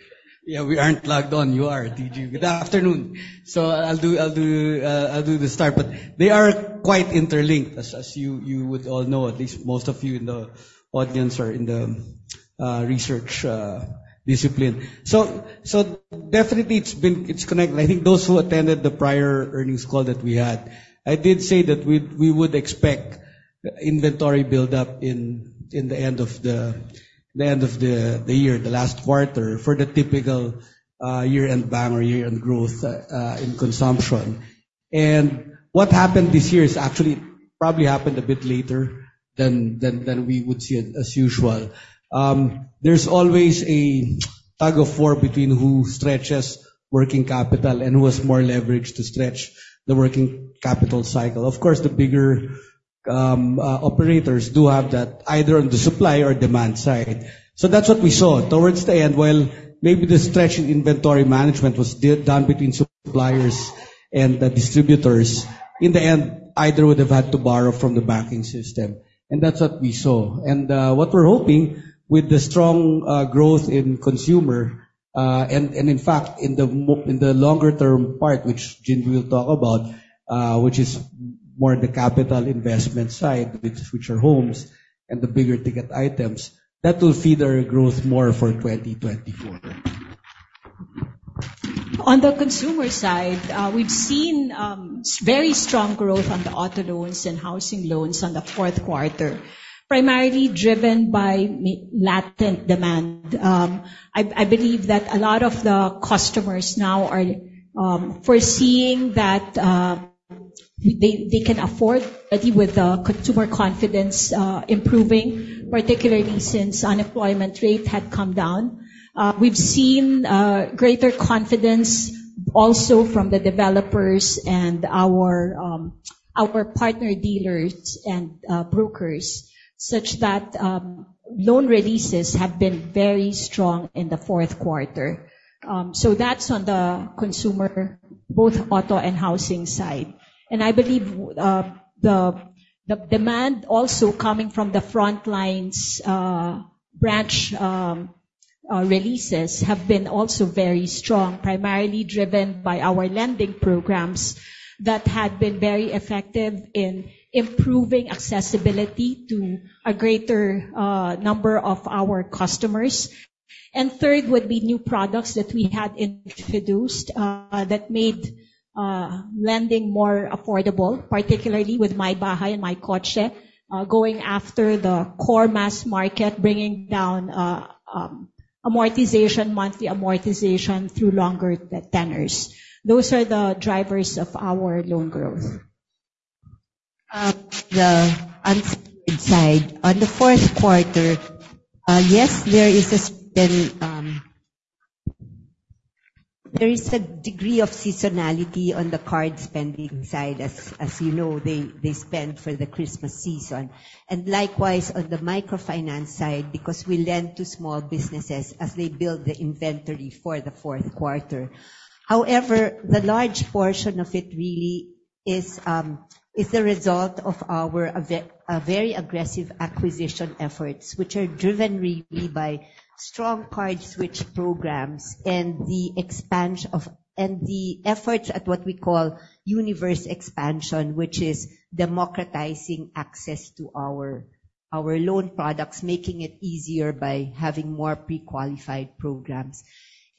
Speaker 4: Yeah. We aren't logged on. You are, TG. Good afternoon. I'll do the start. They are quite interlinked, you would all know, at least most of you in the audience or in the research discipline. Definitely it's connected. I think those who attended the prior earnings call that we had, I did say that we would expect inventory build-up in the end of the year, the last quarter, for the typical year-end bang or year-end growth in consumption. What happened this year is actually probably happened a bit later than we would see it as usual. There's always a tug of war between who stretches working capital and who has more leverage to stretch the working capital cycle. Of course, the bigger operators do have that either on the supply or demand side. That's what we saw. Towards the end, while maybe the stretch in inventory management was done between suppliers and the distributors, in the end, either would have had to borrow from the banking system. That's what we saw. What we're hoping with the strong growth in consumer, and, in fact, in the longer term part, which Maria Cristina Go will talk about, which is more the capital investment side with future homes and the bigger ticket items, that will feed our growth more for 2024.
Speaker 5: On the consumer side, we've seen very strong growth on the auto loans and housing loans on the fourth quarter, primarily driven by latent demand. I believe that a lot of the customers now are foreseeing that they can afford, with the consumer confidence improving, particularly since unemployment rate had come down. We've seen greater confidence also from the developers and our partner dealers and brokers, such that loan releases have been very strong in the fourth quarter. So that's on the consumer, both auto and housing side. I believe the demand also coming from the front lines, branch releases have been also very strong, primarily driven by our lending programs that had been very effective in improving accessibility to a greater number of our customers. Third would be new products that we had introduced that made lending more affordable, particularly with MyBahay and MyKotse, going after the core mass market, bringing down monthly amortization through longer tenors. Those are the drivers of our loan growth.
Speaker 1: At the unsecured side, on the fourth quarter, yes, there is a certain degree of seasonality on the card spending side. As you know, they spend for the Christmas season. Likewise on the microfinance side, because we lend to small businesses as they build the inventory for the fourth quarter. However, the large portion of it really
Speaker 6: Is the result of our very aggressive acquisition efforts, which are driven really by strong card switch programs and the efforts at what we call universe expansion, which is democratizing access to our loan products, making it easier by having more pre-qualified programs.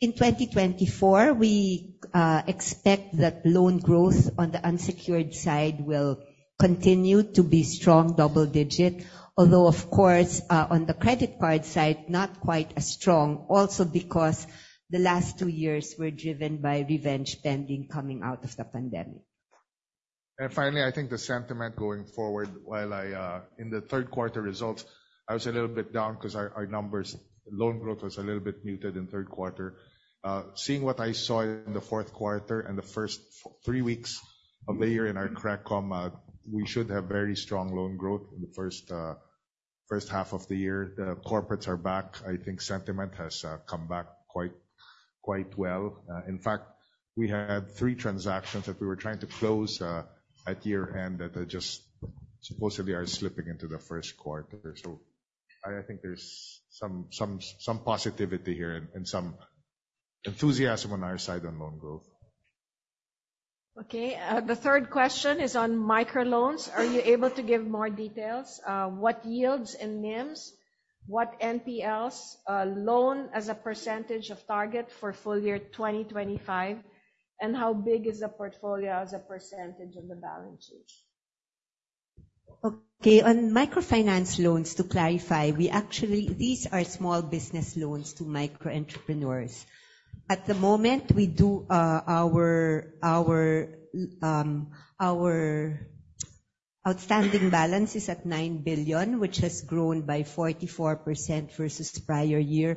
Speaker 6: In 2024, we expect that loan growth on the unsecured side will continue to be strong double digit. Although of course, on the credit card side, not quite as strong also because the last two years were driven by revenge spending coming out of the pandemic.
Speaker 2: Finally, I think the sentiment going forward. While I, in the third quarter results, I was a little bit down 'cause our numbers, loan growth was a little bit muted in third quarter. Seeing what I saw in the fourth quarter and the first three weeks of the year in our credit committee, we should have very strong loan growth in the first half of the year. The corporates are back. I think sentiment has come back quite well. In fact, we had three transactions that we were trying to close at year-end that are just supposedly slipping into the first quarter. I think there's some positivity here and some enthusiasm on our side on loan growth.
Speaker 1: Okay. The third question is on microloans. Are you able to give more details? What yields and NIMs, what NPLs, loan as a percentage of target for full year 2025, and how big is the portfolio as a percentage of the balance sheet?
Speaker 6: Okay. On microfinance loans, to clarify, we actually these are small business loans to micro entrepreneurs. At the moment, we do our outstanding balance is at 9 billion, which has grown by 44% versus the prior year.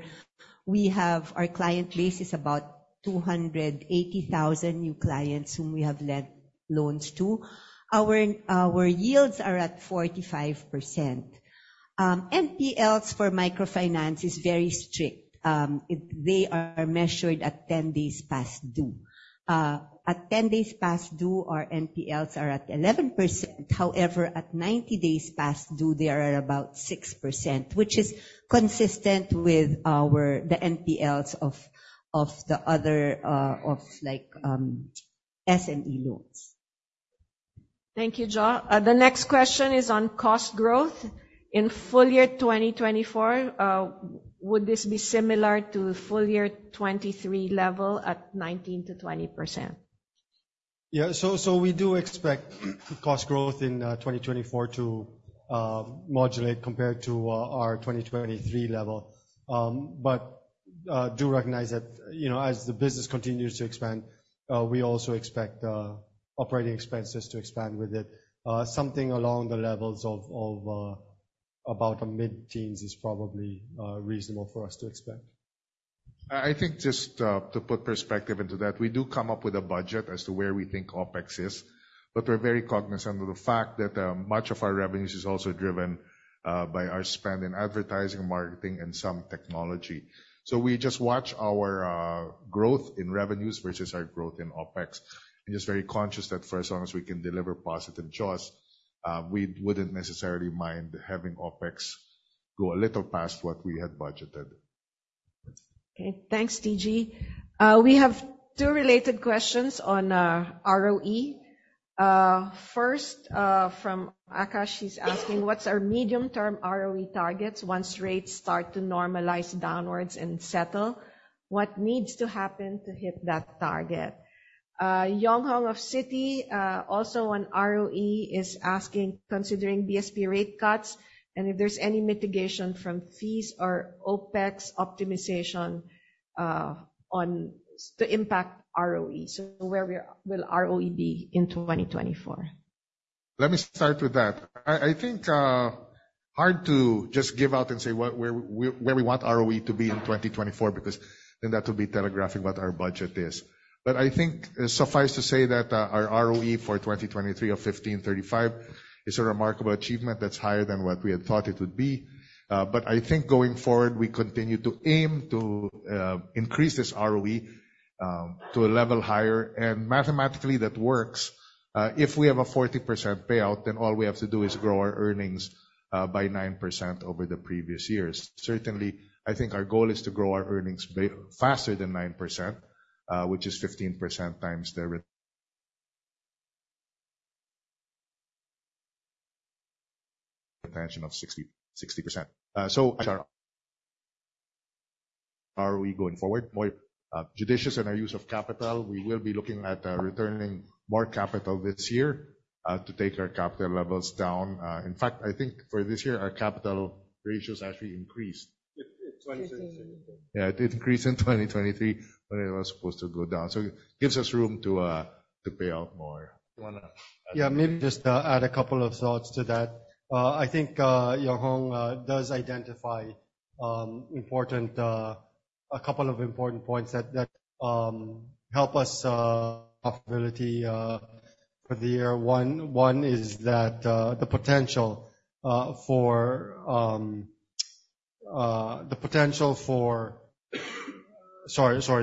Speaker 6: We have our client base is about 280,000 new clients whom we have lent loans to. Our yields are at 45%. NPLs for microfinance is very strict. They are measured at 10 days past due. At 10 days past due, our NPLs are at 11%. However, at 90 days past due, they are at about 6%, which is consistent with our the NPLs of the other of like SME loans.
Speaker 1: Thank you, Jojo. The next question is on cost growth. In full year 2024, would this be similar to full year 2023 level at 19%-20%?
Speaker 3: We do expect cost growth in 2024 to modulate compared to our 2023 level. Do recognize that, you know, as the business continues to expand, we also expect operating expenses to expand with it. Something along the levels of about mid-teens is probably reasonable for us to expect.
Speaker 2: I think just to put perspective into that, we do come up with a budget as to where we think OpEx is, but we're very cognizant of the fact that much of our revenues is also driven by our spend in advertising, marketing, and some technology. We just watch our growth in revenues versus our growth in OpEx, and just very conscious that for as long as we can deliver positive jaws, we wouldn't necessarily mind having OpEx go a little past what we had budgeted.
Speaker 1: Okay. Thanks, TG. We have two related questions on ROE. First, from Akash, he's asking, what's our medium-term ROE targets once rates start to normalize downwards and settle? What needs to happen to hit that target? Yong Hong of Citi also on ROE is asking, considering BSP rate cuts and if there's any mitigation from fees or OpEx optimization, to impact ROE. Where will ROE be in 2024?
Speaker 2: Let me start with that. I think hard to just give out and say what where we want ROE to be in 2024 because then that will be telegraphing what our budget is. I think suffice to say that our ROE for 2023 of 15.35 is a remarkable achievement that's higher than what we had thought it would be. I think going forward, we continue to aim to increase this ROE to a level higher. Mathematically, that works. If we have a 40% payout, then all we have to do is grow our earnings by 9% over the previous years. Certainly, I think our goal is to grow our earnings faster than 9%, which is 15% times the retention of 60%. As our ROE going forward, more judicious in our use of capital. We will be looking at returning more capital this year to take our capital levels down. In fact, I think for this year, our capital ratios actually increased.
Speaker 3: It 2023.
Speaker 2: Yeah, it did increase in 2023, but it was supposed to go down. It gives us room to pay out more.
Speaker 3: You wanna add? Yeah, maybe just add a couple of thoughts to that. I think Yong Hong does identify a couple of important points that help us possibility for the year. One is that the potential for Sorry,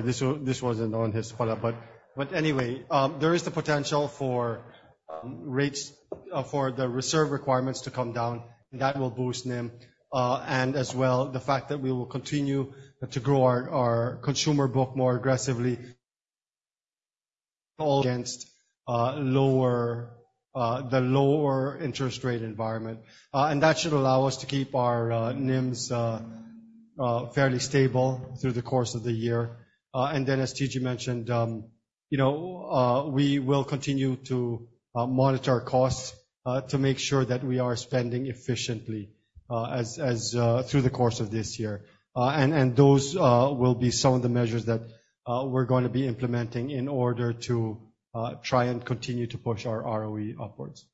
Speaker 3: this wasn't on his follow-up. Anyway, there is the potential for rates for the reserve requirements to come down, and that will boost NIM. As well, the fact that we will continue to grow our consumer book more aggressively albeit in the lower interest rate environment. That should allow us to keep our NIMs fairly stable through the course of the year. As TG mentioned, you know, we will continue to monitor our costs to make sure that we are spending efficiently as through the course of this year. Those will be some of the measures that we're gonna be implementing in order to try and continue to push our ROE upwards.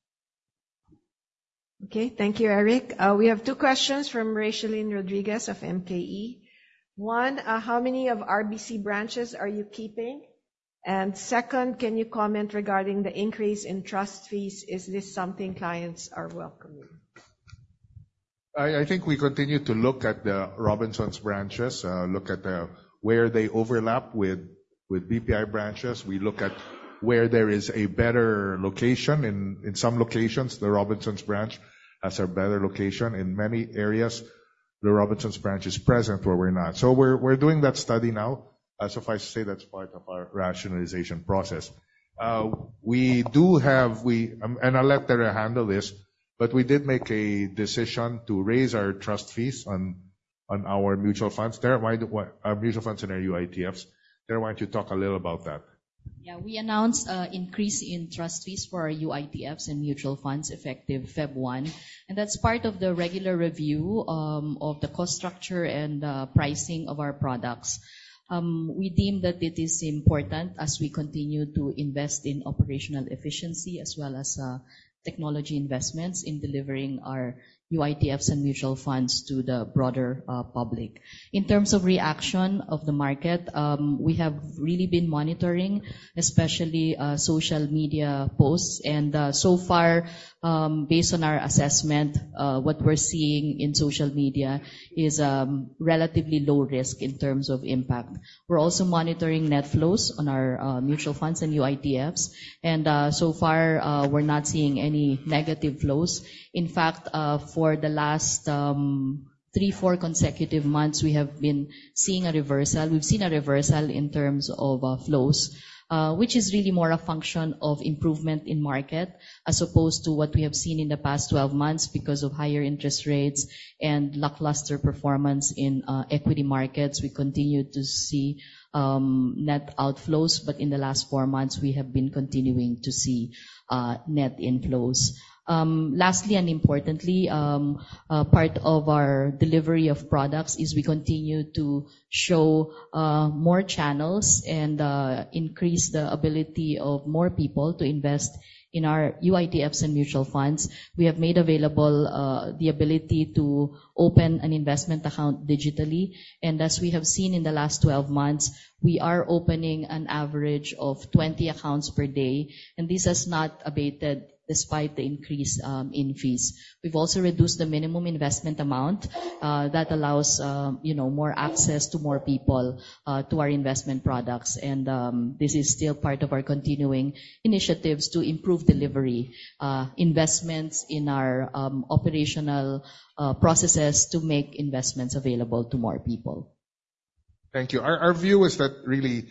Speaker 1: Thank you, Eric. We have two questions from Rachelleen Rodriguez of Maybank. One, how many of Robinsons Bank branches are you keeping? Second, can you comment regarding the increase in trust fees? Is this something clients are welcoming?
Speaker 2: I think we continue to look at the Robinsons branches, where they overlap with BPI branches. We look at where there is a better location. In some locations, the Robinsons branch has a better location. In many areas, the Robinsons branch is present where we're not. We're doing that study now. Suffice it to say that's part of our rationalization process. I'll let Tere handle this, but we did make a decision to raise our trust fees on our mutual funds and our UITFs. Tere, why don't you talk a little about that?
Speaker 4: Yeah. We announced an increase in trust fees for our UITFs and mutual funds effective February 1, and that's part of the regular review of the cost structure and pricing of our products. We deemed that it is important as we continue to invest in operational efficiency as well as technology investments in delivering our UITFs and mutual funds to the broader public. In terms of reaction of the market, we have really been monitoring, especially, social media posts. So far, based on our assessment, what we're seeing in social media is relatively low risk in terms of impact. We're also monitoring net flows on our mutual funds and UITFs, and so far, we're not seeing any negative flows.
Speaker 7: In fact, for the last three or four consecutive months, we have been seeing a reversal. We've seen a reversal in terms of flows, which is really more a function of improvement in market as opposed to what we have seen in the past 12 months because of higher interest rates and lackluster performance in equity markets. We continue to see net outflows, but in the last four months we have been continuing to see net inflows. Lastly and importantly, a part of our delivery of products is we continue to show more channels and increase the ability of more people to invest in our UITFs and mutual funds. We have made available the ability to open an investment account digitally. As we have seen in the last 12 months, we are opening an average of 20 accounts per day, and this has not abated despite the increase in fees. We've also reduced the minimum investment amount that allows you know, more access to more people to our investment products. This is still part of our continuing initiatives to improve delivery investments in our operational processes to make investments available to more people.
Speaker 2: Thank you. Our view is that really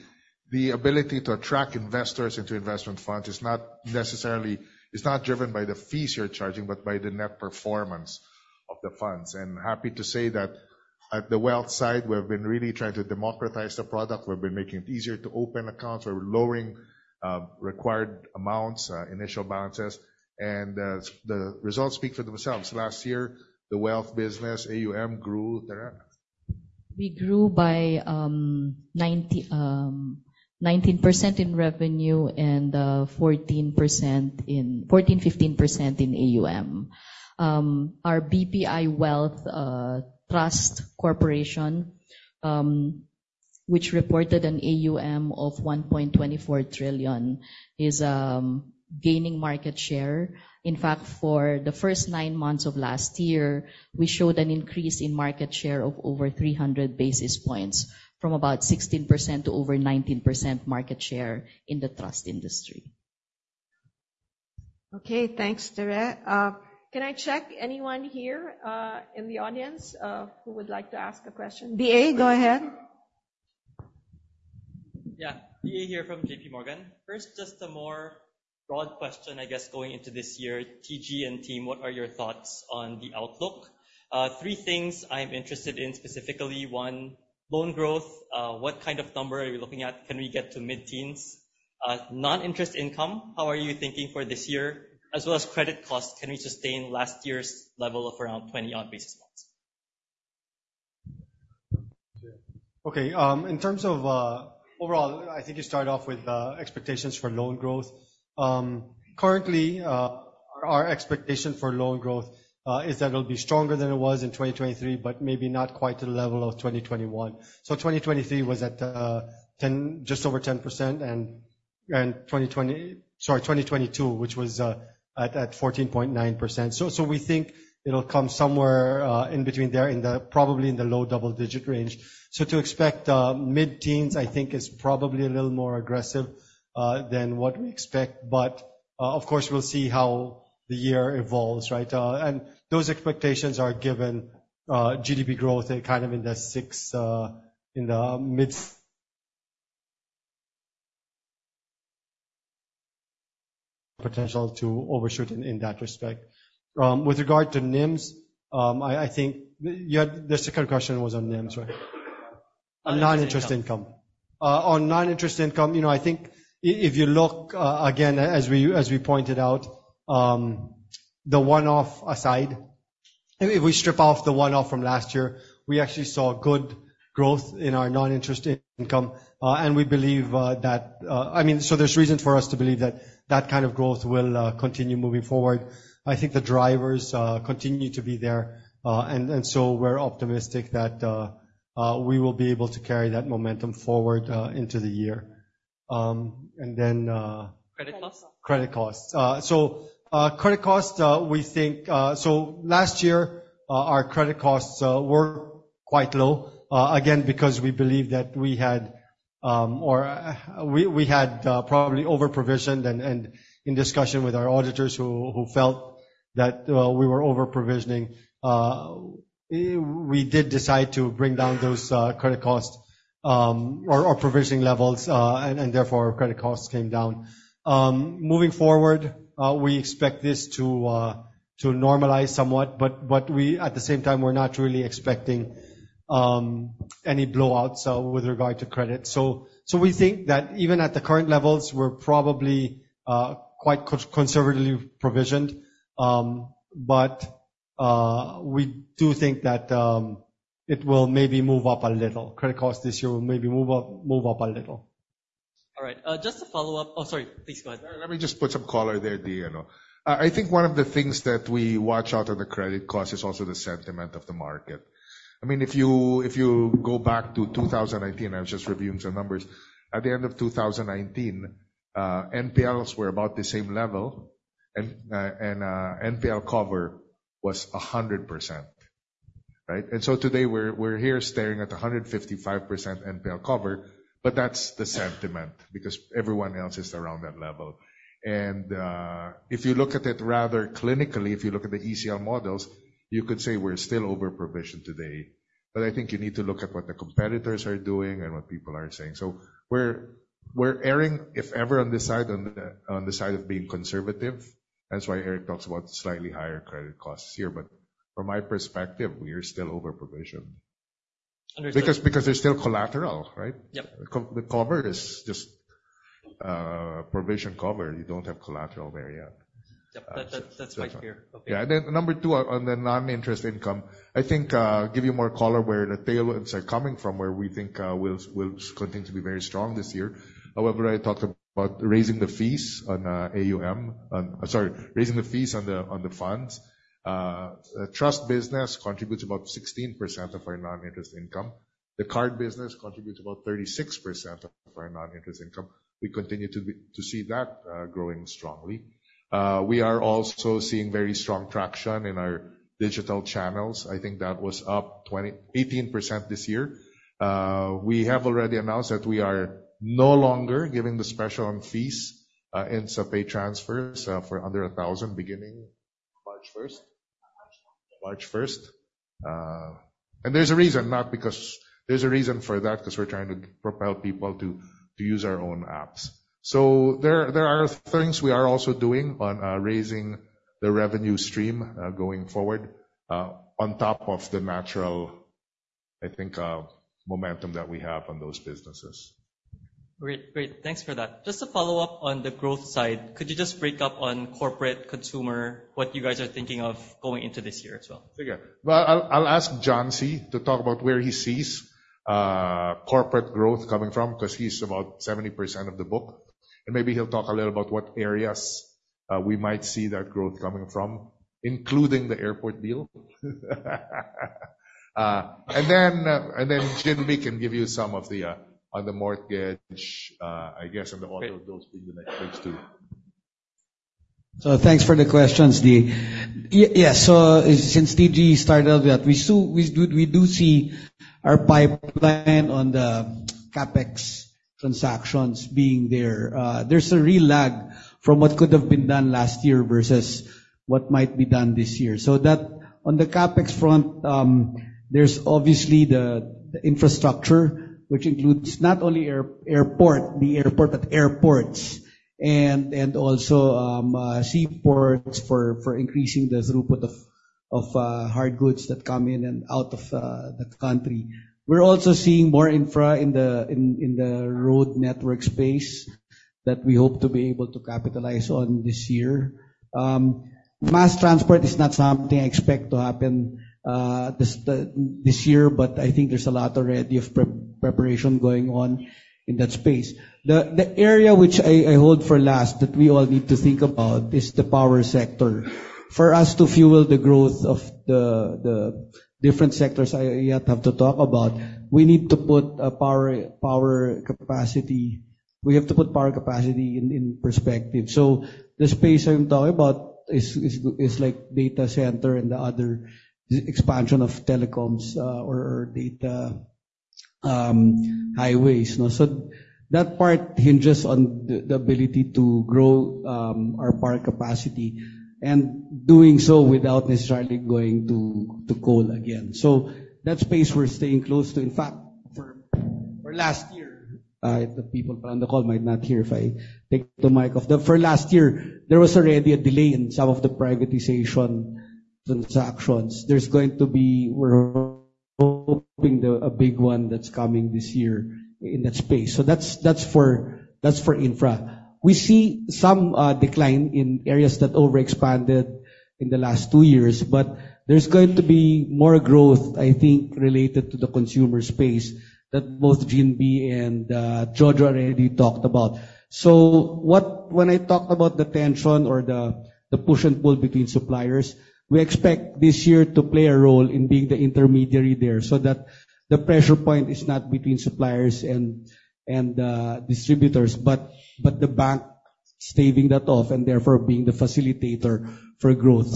Speaker 2: the ability to attract investors into investment funds. It's not driven by the fees you're charging, but by the net performance of the funds. Happy to say that at the wealth side, we have been really trying to democratize the product. We've been making it easier to open accounts. We're lowering required amounts, initial balances, and the results speak for themselves. Last year, the wealth business AUM grew, Tere.
Speaker 7: We grew by 19% in revenue and 15% in AUM. Our BPI Wealth — A Trust Corporation, which reported an AUM of 1.24 trillion, is gaining market share. In fact, for the first 9 months of last year, we showed an increase in market share of over 300 basis points from about 16% to over 19% market share in the trust industry.
Speaker 1: Okay. Thanks, Tere. Can I check anyone here in the audience who would like to ask a question? BA, go ahead.
Speaker 3: Yeah. Daniel Andrew Tan here from JPMorgan. First, just a more broad question, I guess, going into this year. Jose Teodoro "TG" K. Limcaoco and team, what are your thoughts on the outlook? Three things I'm interested in specifically. One, loan growth. What kind of number are you looking at? Can we get to mid-teens? Non-interest income, how are you thinking for this year? As well as credit costs. Can we sustain last year's level of around 20-odd basis points? Okay. In terms of overall, I think you started off with expectations for loan growth. Currently, our expectation for loan growth is that it'll be stronger than it was in 2023, but maybe not quite to the level of 2021. 2023 was at 10, just over 10%, and- 2022, which was at 14.9%. We think it'll come somewhere in between there in the probably in the low double-digit range. To expect mid-teens, I think is probably a little more aggressive than what we expect. Of course, we'll see how the year evolves, right? Those expectations are given GDP growth kind of in the six, in the mid potential to overshoot in that respect. With regard to NIMs, I think. Yeah, the second question was on NIMs, right? On non-interest income. On non-interest income, you know, I think if you look again, as we pointed out, the one-off aside, if we strip off the one-off from last year, we actually saw good growth in our non-interest income. I mean, there's reason for us to believe that kind of growth will continue moving forward. I think the drivers continue to be there. We're optimistic that we will be able to carry that momentum forward into the year.
Speaker 8: Credit costs.
Speaker 3: Credit costs. Credit costs, we think. Last year, our credit costs were quite low, again, because we believe that we had probably over-provisioned. In discussion with our auditors who felt that we were over-provisioning, we did decide to bring down those credit costs, or provisioning levels, and therefore, credit costs came down. Moving forward, we expect this to normalize somewhat, but at the same time, we're not really expecting any blowouts with regard to credit. We think that even at the current levels, we're probably quite conservatively provisioned. We do think that it will maybe move up a little. Credit costs this year will maybe move up a little.
Speaker 8: All right. Just to follow up. Oh, sorry. Please go ahead.
Speaker 2: Let me just put some color there, Daniel, you know. I think one of the things that we watch out on the credit cost is also the sentiment of the market. I mean, if you go back to 2018, I was just reviewing some numbers. At the end of 2019, NPLs were about the same level. And NPL cover was 100%, right? Today we're here staring at 155% NPL cover, but that's the sentiment because everyone else is around that level. If you look at it rather clinically, if you look at the ECL models, you could say we're still over-provisioned today. I think you need to look at what the competitors are doing and what people are saying. We're erring, if ever, on the side of being conservative. That's why Eric talks about slightly higher credit costs here. From my perspective, we are still over-provisioned.
Speaker 8: Understood.
Speaker 2: Because there's still collateral, right?
Speaker 8: Yep.
Speaker 2: The coverage is just provision coverage. You don't have collateral there yet.
Speaker 8: Yep. That's my fear. Okay.
Speaker 2: Yeah. Number two, on the non-interest income, I think give you more color where the tailwinds are coming from, where we think will continue to be very strong this year. However, I talked about raising the fees on AUM. Sorry, raising the fees on the funds. The trust business contributes about 16% of our non-interest income. The card business contributes about 36% of our non-interest income. We continue to see that growing strongly. We are also seeing very strong traction in our digital channels. I think that was up 18% this year. We have already announced that we are no longer giving the special on fees in InstaPay transfers for under 1,000 beginning March first.
Speaker 3: March first.
Speaker 2: March first. There's a reason for that, 'cause we're trying to propel people to use our own apps. There are things we are also doing on raising the revenue stream, going forward, on top of the natural, I think, momentum that we have on those businesses.
Speaker 8: Great. Thanks for that. Just to follow up on the growth side, could you just break down on corporate, consumer, what you guys are thinking of going into this year as well?
Speaker 2: Sure, yeah. Well, I'll ask John-C Syquia to talk about where he sees corporate growth coming from, 'cause he's about 70% of the book. Maybe he'll talk a little about what areas we might see that growth coming from, including the airport deal. Then Ginbee Go can give you some of the on the mortgage, I guess, and the auto loans in the next page too.
Speaker 3: Thanks for the questions, Daniel. Yes. Since TG started that, we still—we do see our pipeline on the CapEx transactions being there. There's a real lag from what could have been done last year versus what might be done this year. That on the CapEx front, there's obviously the infrastructure, which includes not only the airport, but airports and also seaports for increasing the throughput of hard goods that come in and out of the country. We're also seeing more infra in the road network space that we hope to be able to capitalize on this year. Mass transport is not something I expect to happen this year, but I think there's a lot already of preparation going on in that space. The area which I hold for last that we all need to think about is the power sector. For us to fuel the growth of the different sectors I yet have to talk about, we need to put a power capacity. We have to put power capacity in perspective. The space I'm talking about is like data center and the other expansion of telecoms or data highways. That part hinges on the ability to grow our power capacity and doing so without necessarily going to coal again. That space we're staying close to. In fact, for last year, the people from the call might not hear if I take the mic off. For last year, there was already a delay in some of the privatization transactions. We're hoping for a big one that's coming this year in that space. That's for infra. We see some decline in areas that overexpanded in the last two years, but there's going to be more growth, I think, related to the consumer space that both Ginbee and Jojo already talked about. When I talk about the tension or the push and pull between suppliers, we expect this year to play a role in being the intermediary there, so that the pressure point is not between suppliers and distributors, but the bank staving that off and therefore being the facilitator for growth.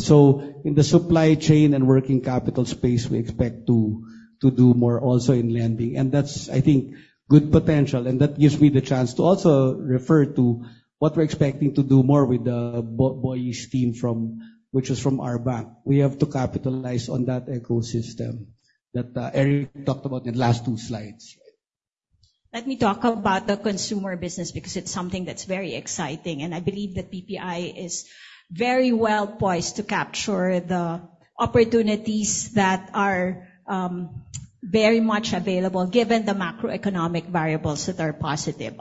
Speaker 3: In the supply chain and working capital space, we expect to do more also in lending, and that's, I think, good potential. That gives me the chance to also refer to what we're expecting to do more with the Boyish team from RBank. We have to capitalize on that ecosystem that Eric talked about in the last two slides.
Speaker 5: Let me talk about the consumer business because it's something that's very exciting, and I believe that BPI is very well poised to capture the opportunities that are very much available given the macroeconomic variables that are positive.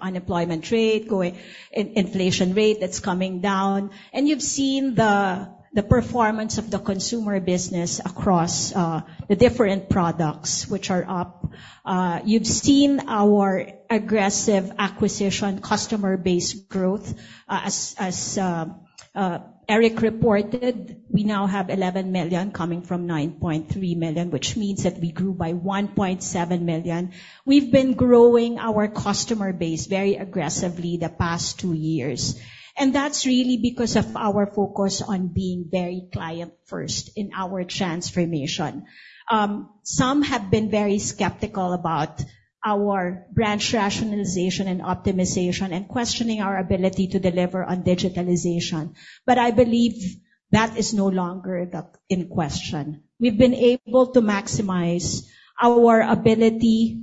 Speaker 5: Inflation rate that's coming down. You've seen the performance of the consumer business across the different products which are up. You've seen our aggressive acquisition customer base growth. As Eric reported, we now have 11 million coming from 9.3 million, which means that we grew by 1.7 million. We've been growing our customer base very aggressively the past two years, and that's really because of our focus on being very client first in our transformation. Some have been very skeptical about our branch rationalization and optimization and questioning our ability to deliver on digitalization, but I believe that is no longer in question. We've been able to maximize our ability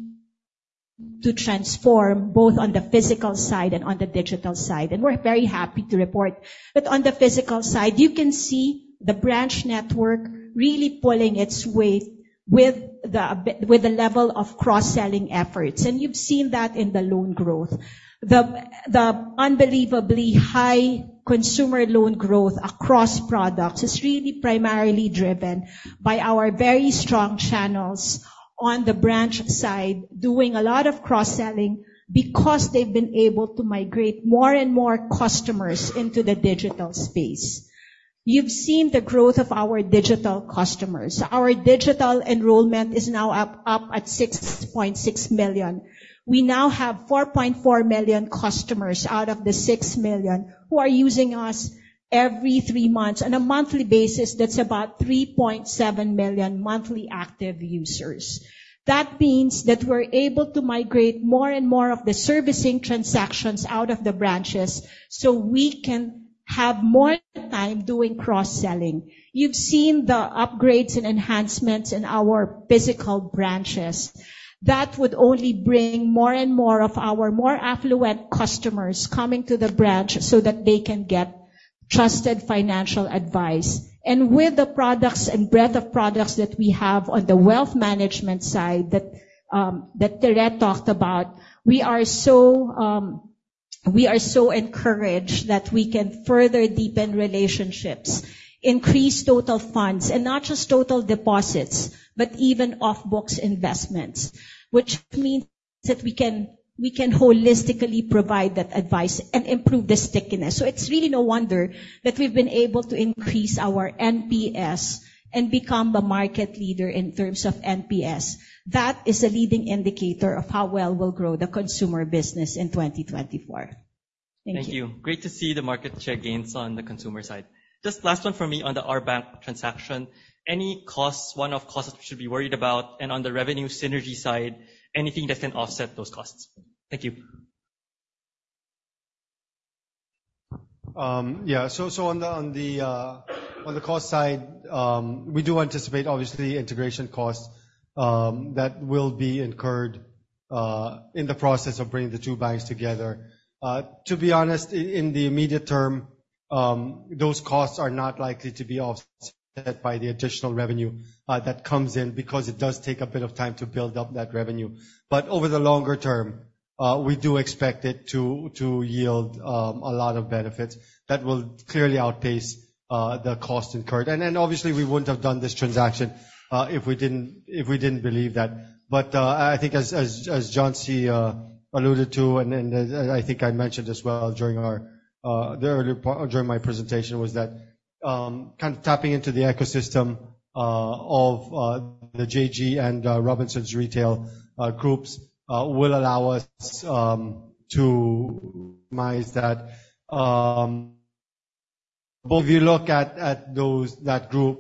Speaker 5: to transform both on the physical side and on the digital side, and we're very happy to report. On the physical side, you can see the branch network really pulling its weight with the level of cross-selling efforts. You've seen that in the loan growth. The unbelievably high consumer loan growth across products is really primarily driven by our very strong channels on the branch side doing a lot of cross-selling because they've been able to migrate more and more customers into the digital space. You've seen the growth of our digital customers. Our digital enrollment is now up at 6.6 million. We now have 4.4 million customers out of the 6 million who are using us every three months. On a monthly basis, that's about 3.7 million monthly active users. That means that we're able to migrate more and more of the servicing transactions out of the branches, so we can have more time doing cross-selling. You've seen the upgrades and enhancements in our physical branches. That would only bring more and more of our more affluent customers coming to the branch so that they can get trusted financial advice. With the products and breadth of products that we have on the wealth management side that Tere talked about, we are so encouraged that we can further deepen relationships, increase total funds, and not just total deposits, but even off-books investments, which means that we can holistically provide that advice and improve the stickiness. It's really no wonder that we've been able to increase our NPS and become the market leader in terms of NPS. That is a leading indicator of how well we'll grow the consumer business in 2024. Thank you.
Speaker 8: Thank you. Great to see the market share gains on the consumer side. Just last one from me on the RBank transaction. Any costs, one-off costs we should be worried about? And on the revenue synergy side, anything that can offset those costs? Thank you.
Speaker 3: On the cost side, we do anticipate obviously integration costs that will be incurred in the process of bringing the two banks together. To be honest, in the immediate term, those costs are not likely to be offset by the additional revenue that comes in because it does take a bit of time to build up that revenue. Over the longer term, we do expect it to yield a lot of benefits that will clearly outpace the cost incurred. Obviously we wouldn't have done this transaction if we didn't believe that. I think as John-C alluded to, and I think I mentioned as well during my presentation was that kind of tapping into the ecosystem. Of the JG and Robinsons Retail groups will allow us to optimize that. But if you look at that group,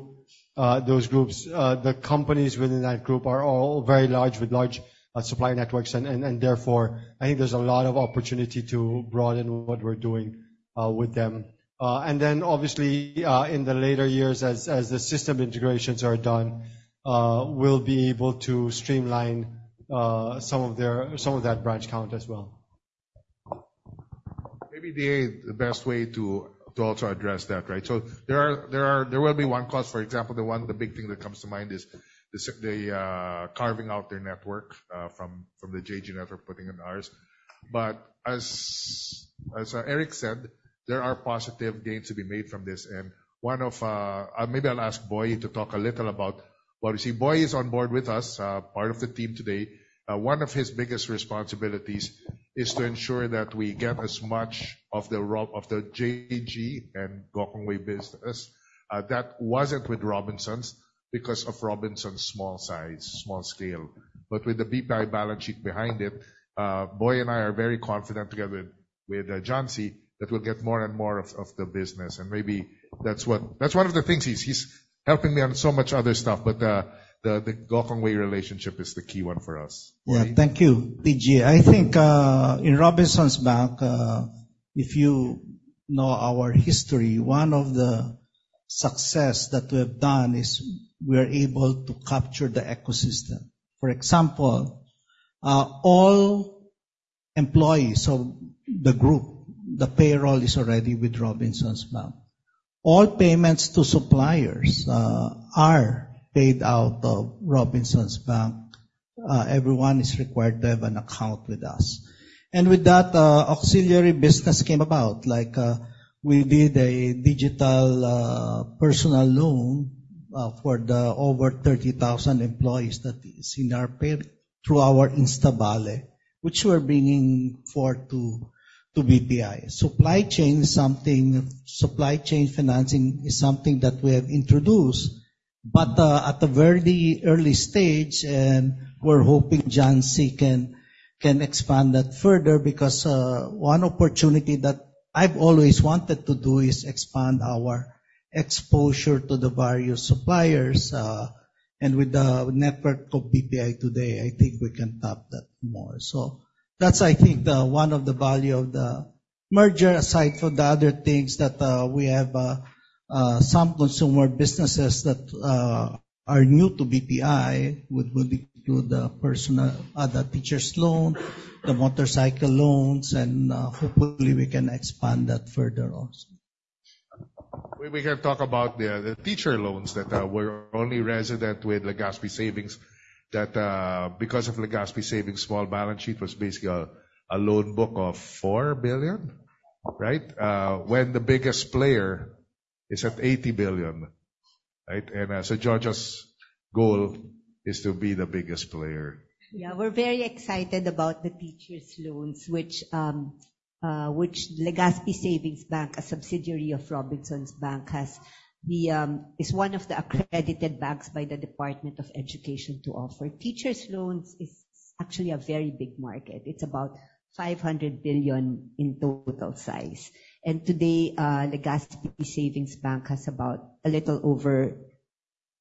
Speaker 3: those groups, the companies within that group are all very large, with large supply networks. Therefore, I think there's a lot of opportunity to broaden what we're doing with them. Then obviously, in the later years as the system integrations are done, we'll be able to streamline some of that branch count as well.
Speaker 2: Maybe the best way to also address that, right? There will be one cost, for example, the big thing that comes to mind is the carving out their network from the JG network, putting it in ours. As Eric said, there are positive gains to be made from this. One of... Maybe I'll ask Boy to talk a little about. Well, you see Boy is on board with us, part of the team today. One of his biggest responsibilities is to ensure that we get as much of the JG and Gokongwei business that wasn't with Robinsons because of Robinsons' small size, small scale. With the BPI balance sheet behind it, Boy and I are very confident together with John-C Syquia that we'll get more and more of the business. Maybe that's what. That's one of the things. He's helping me on so much other stuff, but the Gokongwei relationship is the key one for us. Boy?
Speaker 9: Yeah. Thank you, TG. I think in Robinsons Bank, if you know our history, one of the success that we have done is we're able to capture the ecosystem. For example, all employees of the group, the payroll is already with Robinsons Bank. All payments to suppliers are paid out of Robinsons Bank. Everyone is required to have an account with us. With that, auxiliary business came about like, we did a digital personal loan for the over 30,000 employees that is in our pay through our InstaBale, which we're bringing forward to BPI. Supply chain financing is something that we have introduced, but at a very early stage, and we're hoping John-C can expand that further. Because one opportunity that I've always wanted to do is expand our exposure to the various suppliers. With the network of BPI today, I think we can tap that more. That's, I think, one of the values of the merger, aside from the other things that we have, some consumer businesses that are new to BPI. We'll include the personal, the teachers loan, the motorcycle loans, and hopefully we can expand that further also.
Speaker 2: We can talk about the teacher loans that were only resident with Legazpi Savings Bank that, because of Legazpi Savings Bank's small balance sheet, was basically a loan book of 4 billion, right? When the biggest player is at 80 billion, right? Jojo Ocampo's goal is to be the biggest player.
Speaker 6: Yeah. We're very excited about the teachers loans, which Legazpi Savings Bank, a subsidiary of Robinsons Bank, has. It's one of the accredited banks by the Department of Education to offer. Teachers loans is actually a very big market. It's about 500 billion in total size. Today, Legazpi Savings Bank has about a little over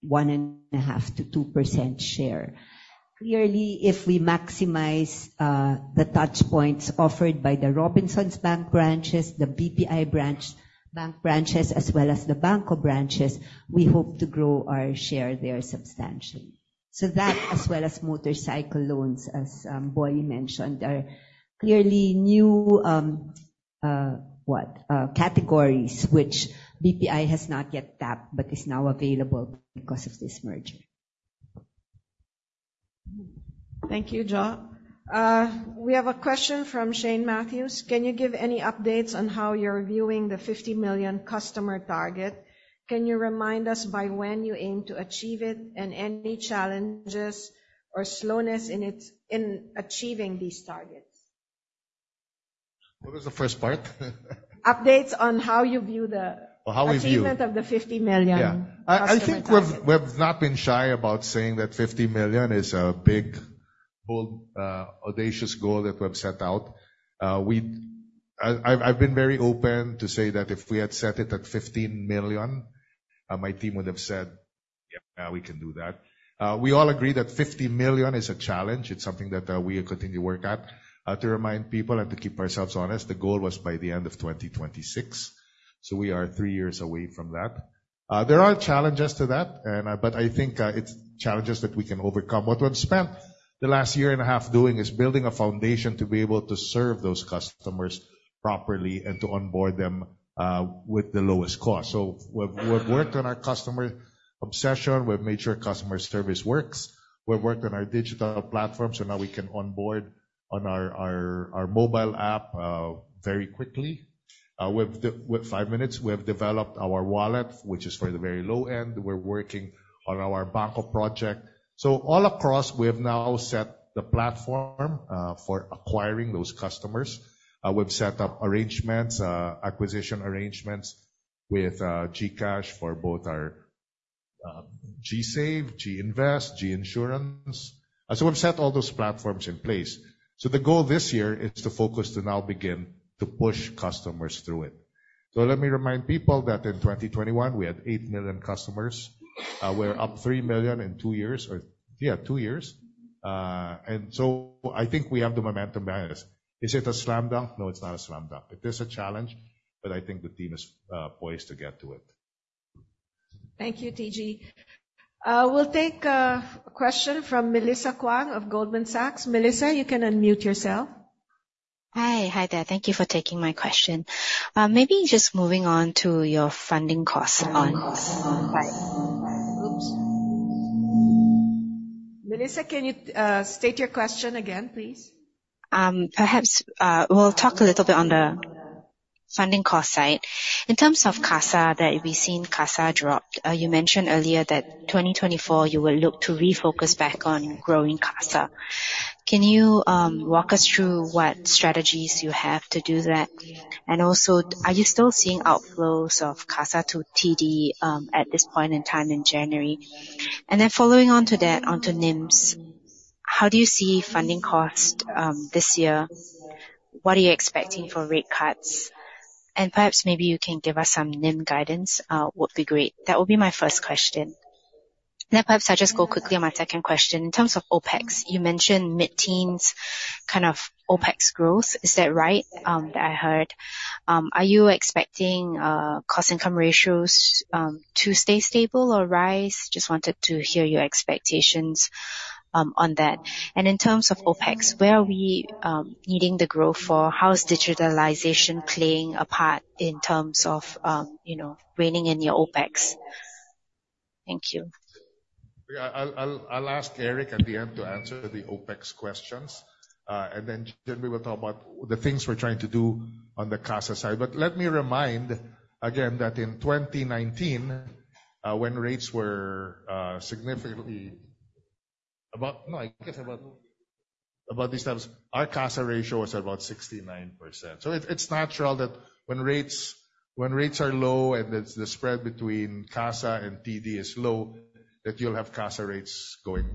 Speaker 6: 1.5%-2% share. Clearly, if we maximize the touchpoints offered by the Robinsons Bank branches, the BPI bank branches, as well as the BanKo branches, we hope to grow our share there substantially. That as well as motorcycle loans, as Boy mentioned, are clearly new categories which BPI has not yet tapped but is now available because of this merger.
Speaker 3: Thank you, Jo. We have a question from Shane Matthews. Can you give any updates on how you're viewing the 50 million customer target? Can you remind us by when you aim to achieve it and any challenges or slowness in its, in achieving these targets?
Speaker 2: What was the first part?
Speaker 3: Updates on how you view the.
Speaker 2: Oh, how we view-
Speaker 3: Achievement of the 50 million customer target.
Speaker 2: Yeah. I think we've not been shy about saying that 50 million is a big, bold, audacious goal that we've set out. I've been very open to say that if we had set it at 15 million, my team would have said, "Yeah, we can do that." We all agree that 50 million is a challenge. It's something that we continue to work at. To remind people and to keep ourselves honest, the goal was by the end of 2026, so we are three years away from that. There are challenges to that, but I think it's challenges that we can overcome. What we've spent the last year and a half doing is building a foundation to be able to serve those customers properly and to onboard them with the lowest cost. We've worked on our customer obsession. We've made sure customer service works. We've worked on our digital platform, so now we can onboard on our mobile app very quickly. With five minutes, we have developed our wallet, which is for the very low end. We're working on our BanKo project. All across, we have now set the platform for acquiring those customers. We've set up arrangements, acquisition arrangements with GCash for both our- GSave, GInvest, GInsure. We've set all those platforms in place. The goal this year is to focus to now begin to push customers through it. Let me remind people that in 2021 we had 8 million customers. We're up 3 million in two years. I think we have the momentum behind us. Is it a slam dunk? No, it's not a slam dunk. It is a challenge, but I think the team is poised to get to it.
Speaker 1: Thank you, TG. We'll take a question from Melissa Kuang of Goldman Sachs. Melissa, you can unmute yourself.
Speaker 10: Hi. Hi there. Thank you for taking my question. Maybe just moving on to your funding costs on. Oops.
Speaker 1: Melissa, can you state your question again, please?
Speaker 10: Perhaps we'll talk a little bit on the funding cost side. In terms of CASA, that we've seen CASA drop, you mentioned earlier that 2024 you will look to refocus back on growing CASA. Can you walk us through what strategies you have to do that? And also, are you still seeing outflows of CASA to TD at this point in time in January? And then following on to that, onto NIMS, how do you see funding cost this year? What are you expecting for rate cuts? And perhaps maybe you can give us some NIM guidance, would be great. That would be my first question. Then perhaps I'll just go quickly on my second question. In terms of OpEx, you mentioned mid-teens kind of OpEx growth. Is that right? That I heard. Are you expecting cost-income ratios to stay stable or rise? Just wanted to hear your expectations on that. In terms of OpEx, where are we needing the growth for? How is digitalization playing a part in terms of, you know, reining in your OpEx? Thank you.
Speaker 2: I'll ask Eric at the end to answer the OpEx questions. Jimmy will talk about the things we're trying to do on the CASA side. Let me remind again that in 2019, when rates were about these times, our CASA ratio was at about 69%. It's natural that when rates are low and the spread between CASA and TD is low, that you'll have CASA ratios going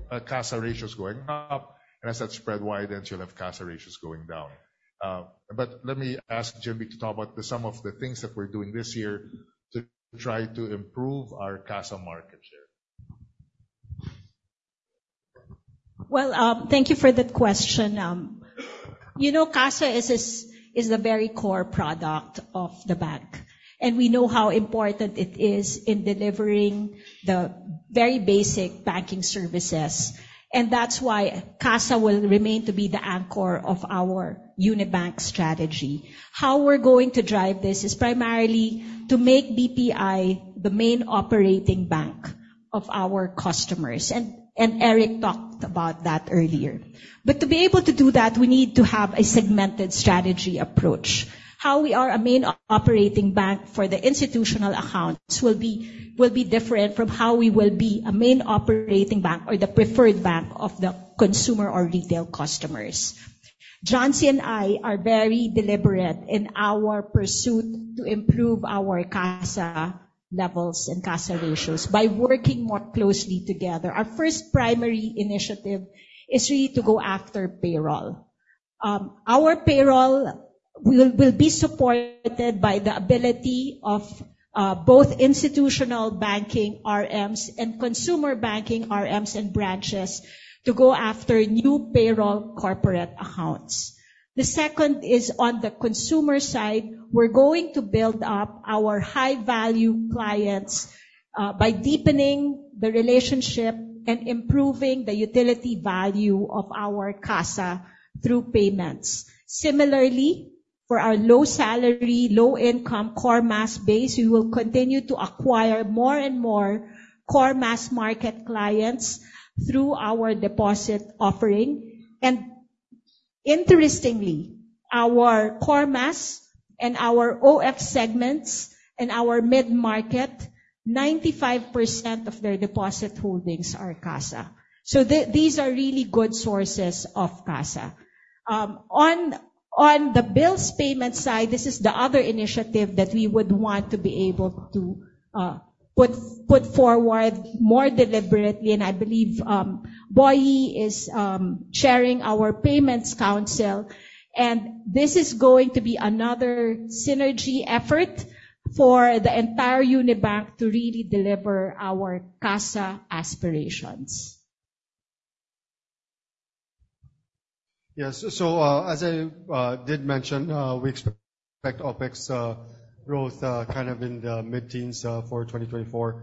Speaker 2: up. As that spread widens, you'll have CASA ratios going down. Let me ask Jimmy to talk about some of the things that we're doing this year to try to improve our CASA market share.
Speaker 5: Well, thank you for that question. You know, CASA is the very core product of the bank, and we know how important it is in delivering the very basic banking services, and that's why CASA will remain to be the anchor of our Unibank strategy. How we're going to drive this is primarily to make BPI the main operating bank of our customers, and Eric talked about that earlier. To be able to do that, we need to have a segmented strategy approach. How we are a main operating bank for the institutional accounts will be different from how we will be a main operating bank or the preferred bank of the consumer or retail customers. John-C and I are very deliberate in our pursuit to improve our CASA levels and CASA ratios by working more closely together. Our first primary initiative is really to go after payroll. Our payroll will be supported by the ability of both institutional banking RMs and consumer banking RMs and branches to go after new payroll corporate accounts. The second is on the consumer side, we're going to build up our high value clients by deepening the relationship and improving the utility value of our CASA through payments. Similarly, for our low salary, low income core mass base, we will continue to acquire more and more core mass market clients through our deposit offering. Interestingly, our core mass and our OFW segments and our mid-market, 95% of their deposit holdings are CASA. These are really good sources of CASA. On the bills payment side, this is the other initiative that we would want to be able to put forward more deliberately, and I believe Boy is chairing our payments council, and this is going to be another synergy effort for the entire Unibank to really deliver our CASA aspirations.
Speaker 2: Yes. As I did mention, we expect OpEx growth kind of in the mid-teens for 2024.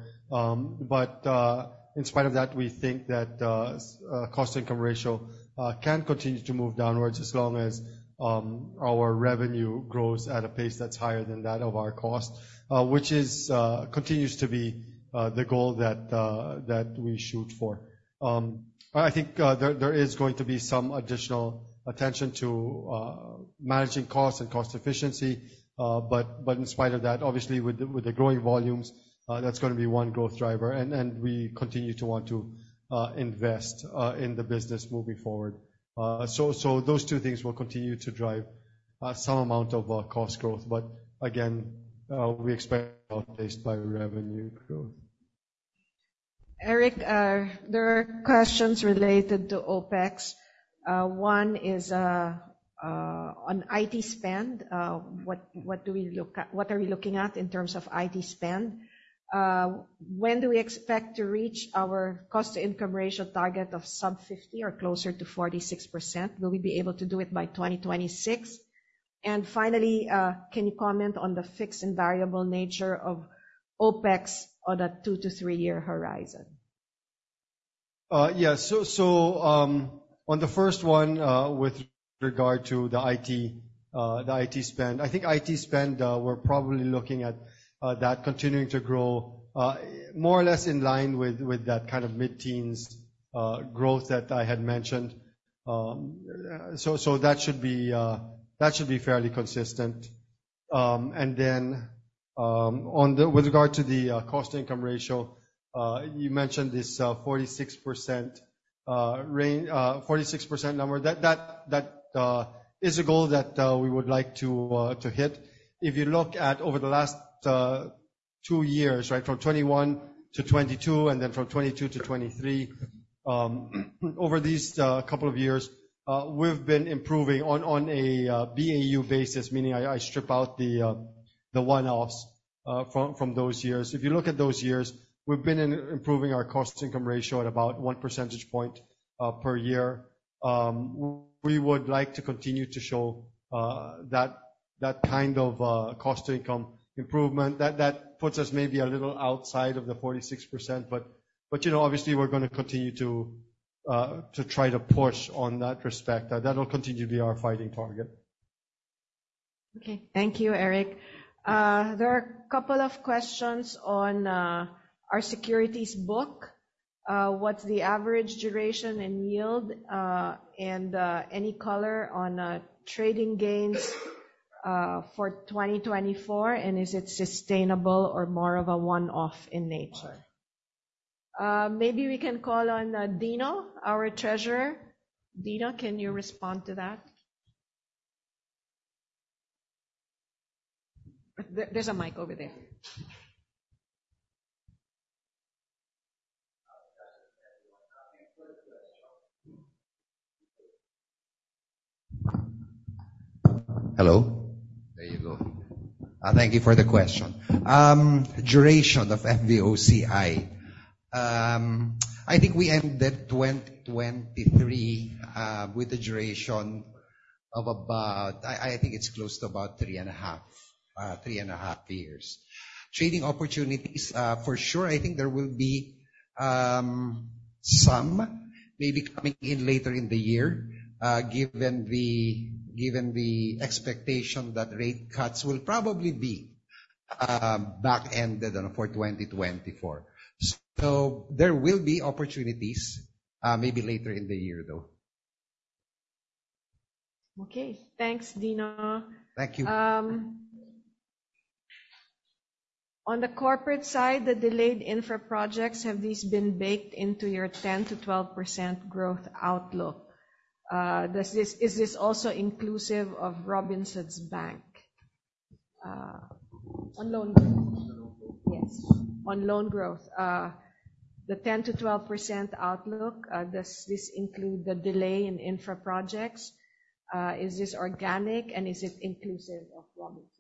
Speaker 2: In spite of that, we think that cost income ratio can continue to move downwards as long as our revenue grows at a pace that's higher than that of our cost, which continues to be the goal that we shoot for. I think there is going to be some additional attention to managing costs and cost efficiency. In spite of that, obviously with the growing volumes, that's gonna be one growth driver. We continue to want to invest in the business moving forward. Those two things will continue to drive.
Speaker 3: Some amount of cost growth. Again, we expect
Speaker 1: Eric, there are questions related to OpEx. One is on IT spend. What are we looking at in terms of IT spend? When do we expect to reach our cost-to-income ratio target of sub-50% or closer to 46%? Finally, can you comment on the fixed and variable nature of OpEx on a two-three-year horizon?
Speaker 3: Yeah. On the first one, with regard to the IT, the IT spend. I think IT spend, we're probably looking at that continuing to grow more or less in line with that kind of mid-teens growth that I had mentioned. That should be fairly consistent. With regard to the cost-to-income ratio, you mentioned this 46% range, 46% number. That is a goal that we would like to hit. If you look at over the last two years, right? From 2021-2022, and then from 2022-2023. Over these couple of years, we've been improving on a BAU basis, meaning I strip out the one-offs from those years. If you look at those years, we've been improving our cost-to-income ratio at about 1 percentage point per year. We would like to continue to show that kind of cost-to-income improvement that puts us maybe a little outside of the 46%. You know, obviously we're gonna continue to try to push in that respect. That'll continue to be our fighting target.
Speaker 1: Okay. Thank you, Eric. There are a couple of questions on our securities book. What's the average duration and yield, and any color on trading gains for 2024, and is it sustainable or more of a one-off in nature? Maybe we can call on Dino, our treasurer. Dino, can you respond to that? There's a mic over there.
Speaker 11: Hello. There you go. Thank you for the question. Duration of FVOCI. I think we ended 2023 with a duration of about, I think it's close to about 3.5 years. Trading opportunities, for sure, I think there will be some maybe coming in later in the year, given the expectation that rate cuts will probably be back-ended for 2024. There will be opportunities, maybe later in the year, though.
Speaker 1: Okay. Thanks, Dino.
Speaker 11: Thank you.
Speaker 1: On the corporate side, the delayed infra projects, have these been baked into your 10%-12% growth outlook? Is this also inclusive of Robinsons Bank? On loan growth. Yes. On loan growth. The 10%-12% outlook, does this include the delay in infra projects? Is this organic and is it inclusive of Robinsons Bank?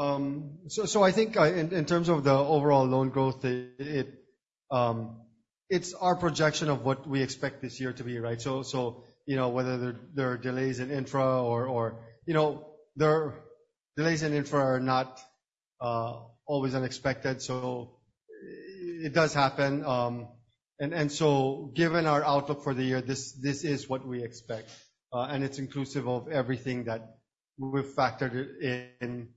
Speaker 3: I think in terms of the overall loan growth, it's our projection of what we expect this year to be, right? You know, delays in infra are not always unexpected, so it does happen. Given our outlook for the year, this is what we expect, and it's inclusive of everything that we've factored in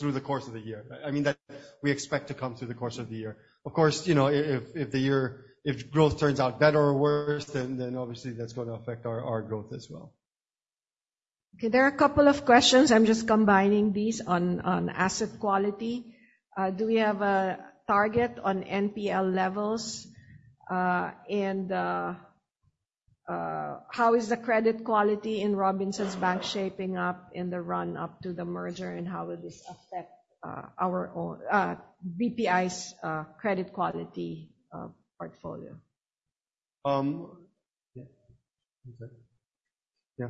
Speaker 3: through the course of the year. I mean, that we expect to come through the course of the year. Of course, you know, if growth turns out better or worse, then obviously that's going to affect our growth as well.
Speaker 1: Okay. There are a couple of questions. I'm just combining these on asset quality. Do we have a target on NPL levels? How is the credit quality in Robinsons Bank shaping up in the run-up to the merger, and how will this affect our own BPI's credit quality portfolio?
Speaker 3: Yeah. One second. Yeah.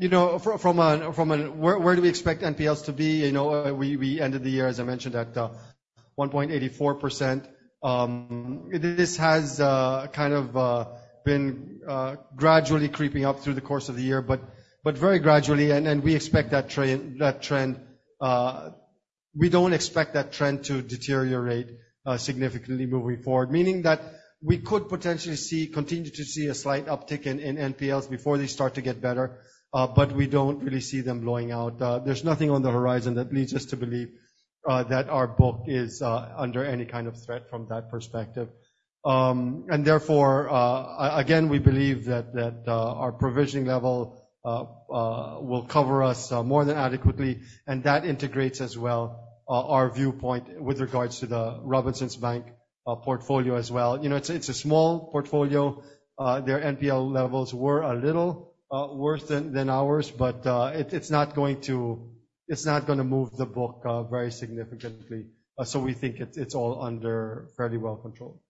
Speaker 3: You know, from a where do we expect NPLs to be? You know, we ended the year, as I mentioned, at 1.84%. This has kind of been gradually creeping up through the course of the year, but very gradually, and we expect that trend. We don't expect that trend to deteriorate significantly moving forward. Meaning that we could potentially continue to see a slight uptick in NPLs before they start to get better, but we don't really see them blowing out. There's nothing on the horizon that leads us to believe that our book is under any kind of threat from that perspective. Therefore, again, we believe that our provisioning level will cover us more than adequately, and that integrates as well our viewpoint with regards to the Robinsons Bank portfolio as well. You know, it's a small portfolio. Their NPL levels were a little worse than ours, but it's not gonna move the book very significantly. We think it's all under fairly well controlled.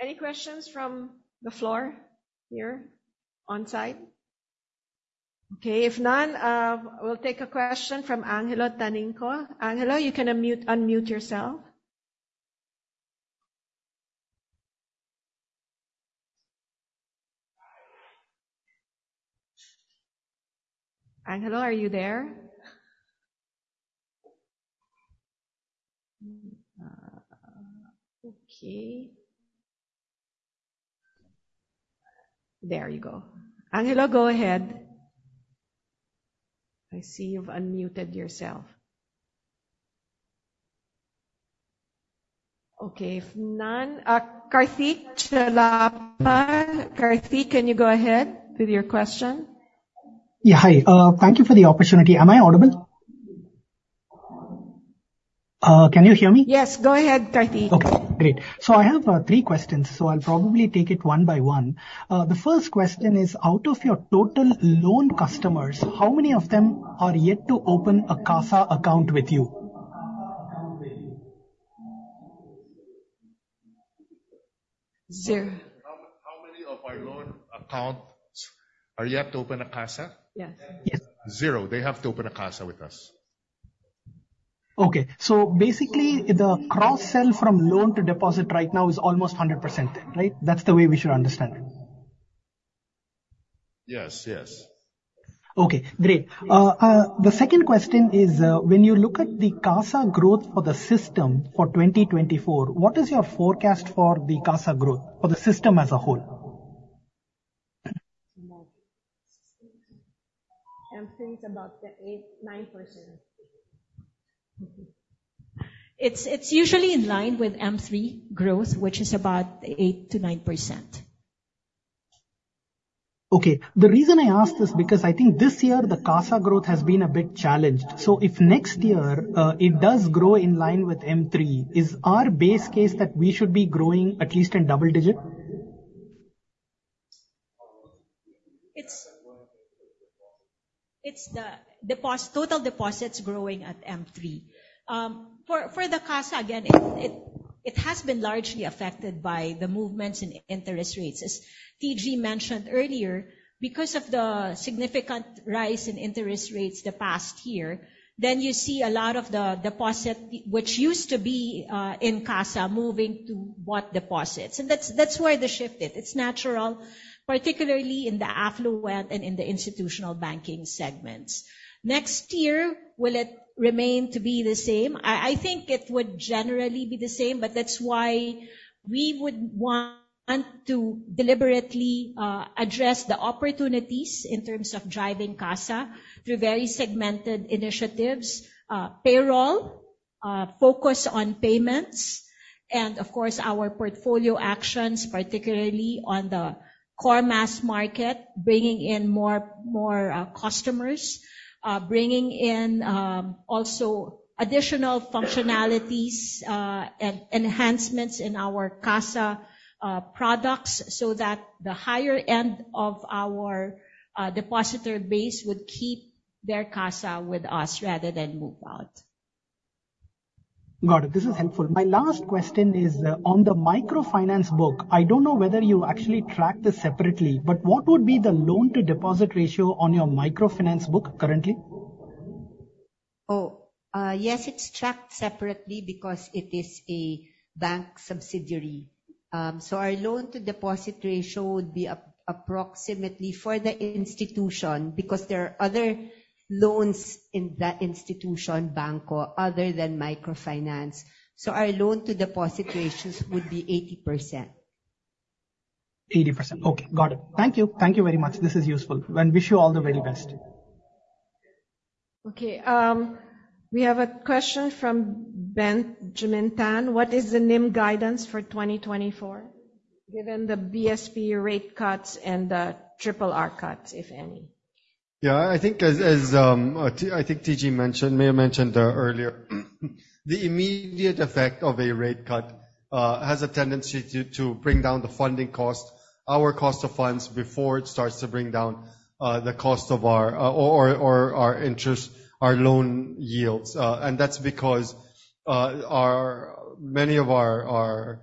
Speaker 5: Any questions from the floor here on site? Okay, if none, we'll take a question from Angelo Taningco. Angelo, you can, mute, unmute yourself. Angelo, are you there? Okay. There you go. Angelo, go ahead. I see you've unmuted yourself. Okay, if none. Karthik Challapalli. Karthik, can you go ahead with your question?
Speaker 12: Yeah. Hi. Thank you for the opportunity. Am I audible? Can you hear me?
Speaker 5: Yes, go ahead, Karthik.
Speaker 12: Okay, great. I have three questions. I'll probably take it one by one. The first question is, out of your total loan customers, how many of them are yet to open a CASA account with you?
Speaker 5: Zero.
Speaker 3: How many of our loan accounts are yet to open a CASA?
Speaker 5: Yes.
Speaker 12: Yes.
Speaker 3: Zero. They have to open a CASA with us.
Speaker 12: Okay. Basically the cross-sell from loan to deposit right now is almost 100%, right? That's the way we should understand it.
Speaker 3: Yes. Yes.
Speaker 12: Okay, great. The second question is, when you look at the CASA growth for the system for 2024, what is your forecast for the CASA growth for the system as a whole?
Speaker 5: M3 is about 8%-9%. It's usually in line with M3 growth, which is about 8%-9%.
Speaker 12: Okay. The reason I ask this, because I think this year the CASA growth has been a bit challenged. If next year, it does grow in line with M3, is our base case that we should be growing at least in double digit?
Speaker 5: It's the total deposits growing at M3. For the CASA, again, it has been largely affected by the movements in interest rates. As TG mentioned earlier, because of the significant rise in interest rates the past year, then you see a lot of the deposit which used to be in CASA moving to time deposits. That's why they shifted. It's natural, particularly in the affluent and in the institutional banking segments. Next year, will it remain to be the same? I think it would generally be the same, but that's why we would want to deliberately address the opportunities in terms of driving CASA through very segmented initiatives. Payroll, focus on payments, and of course, our portfolio actions, particularly on the core mass market, bringing in more customers. Bringing in also additional functionalities and enhancements in our CASA products, so that the higher end of our depositor base would keep their CASA with us rather than move out.
Speaker 12: Got it. This is helpful. My last question is on the microfinance book. I don't know whether you actually track this separately, but what would be the loan to deposit ratio on your microfinance book currently?
Speaker 5: Yes, it's tracked separately because it is a bank subsidiary. Our loan to deposit ratio would be approximately for the institution, because there are other loans in that institution, BanKo, or other than microfinance. Our loan to deposit ratios would be 80%.
Speaker 12: 80%. Okay. Got it. Thank you. Thank you very much. This is useful. Wish you all the very best.
Speaker 5: We have a question from Benjamin Tan. What is the NIM guidance for 2024, given the BSP rate cuts and the RRR cuts, if any?
Speaker 3: Yeah. I think, as TG mentioned, may have mentioned, earlier, the immediate effect of a rate cut has a tendency to bring down the funding cost, our cost of funds, before it starts to bring down the cost of our or our interest, our loan yields. That's because many of our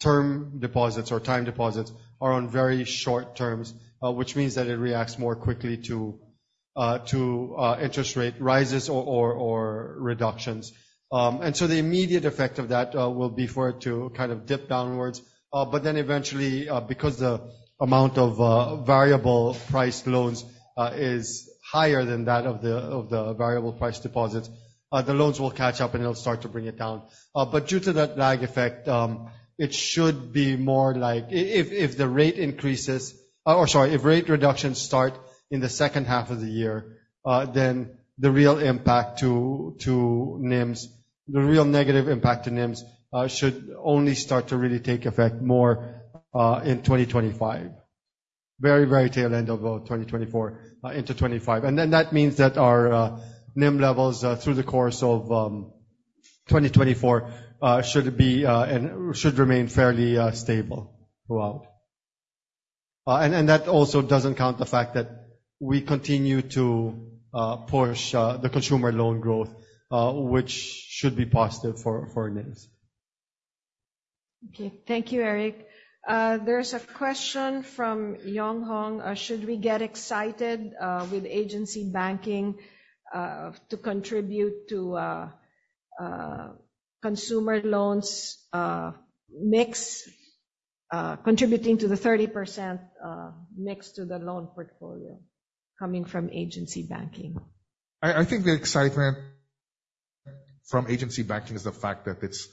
Speaker 3: term deposits or time deposits are on very short terms, which means that it reacts more quickly to interest rate rises or reductions. The immediate effect of that will be for it to kind of dip downwards. Eventually, because the amount of variable rate loans is higher than that of the variable rate deposits, the loans will catch up and it'll start to bring it down. Due to that lag effect, it should be more like if the rate increases or sorry, if rate reductions start in the second half of the year, then the real impact to NIMs, the real negative impact to NIMs, should only start to really take effect more in 2025.
Speaker 2: Very, very tail end of 2024 into 2025. Then that means that our NIM levels through the course of 2024 should be and should remain fairly stable throughout. That also doesn't count the fact that we continue to push the consumer loan growth, which should be positive for NIMs.
Speaker 1: Okay. Thank you, Eric. There's a question from Yong Hong. Should we get excited with agency banking to contribute to consumer loans mix, contributing to the 30% mix to the loan portfolio coming from agency banking?
Speaker 2: I think the excitement from agency banking is the fact that it's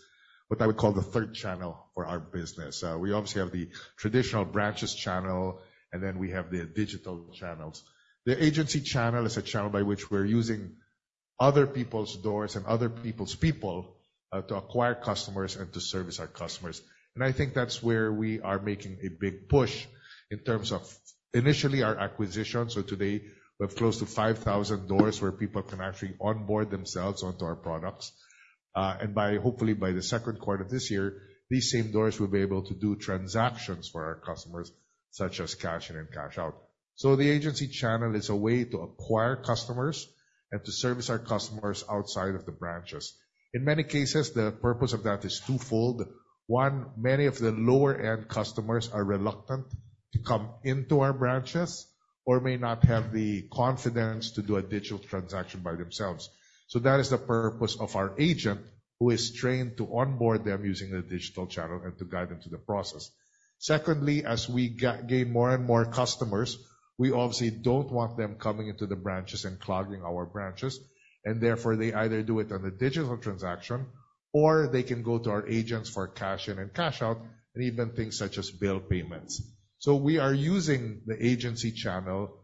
Speaker 2: what I would call the third channel for our business. We obviously have the traditional branches channel, and then we have the digital channels. The agency channel is a channel by which we're using other people's doors and other people's people to acquire customers and to service our customers. I think that's where we are making a big push in terms of initially our acquisition. Today we have close to 5,000 doors where people can actually onboard themselves onto our products. Hopefully by the second quarter of this year, these same doors will be able to do transactions for our customers, such as cash in and cash out. The agency channel is a way to acquire customers and to service our customers outside of the branches. In many cases, the purpose of that is twofold. One, many of the lower-end customers are reluctant to come into our branches or may not have the confidence to do a digital transaction by themselves. That is the purpose of our agent, who is trained to onboard them using the digital channel and to guide them through the process. Secondly, as we gain more and more customers, we obviously don't want them coming into the branches and clogging our branches. Therefore, they either do it on a digital transaction, or they can go to our agents for cash in and cash out, and even things such as bill payments. We are using the agency channel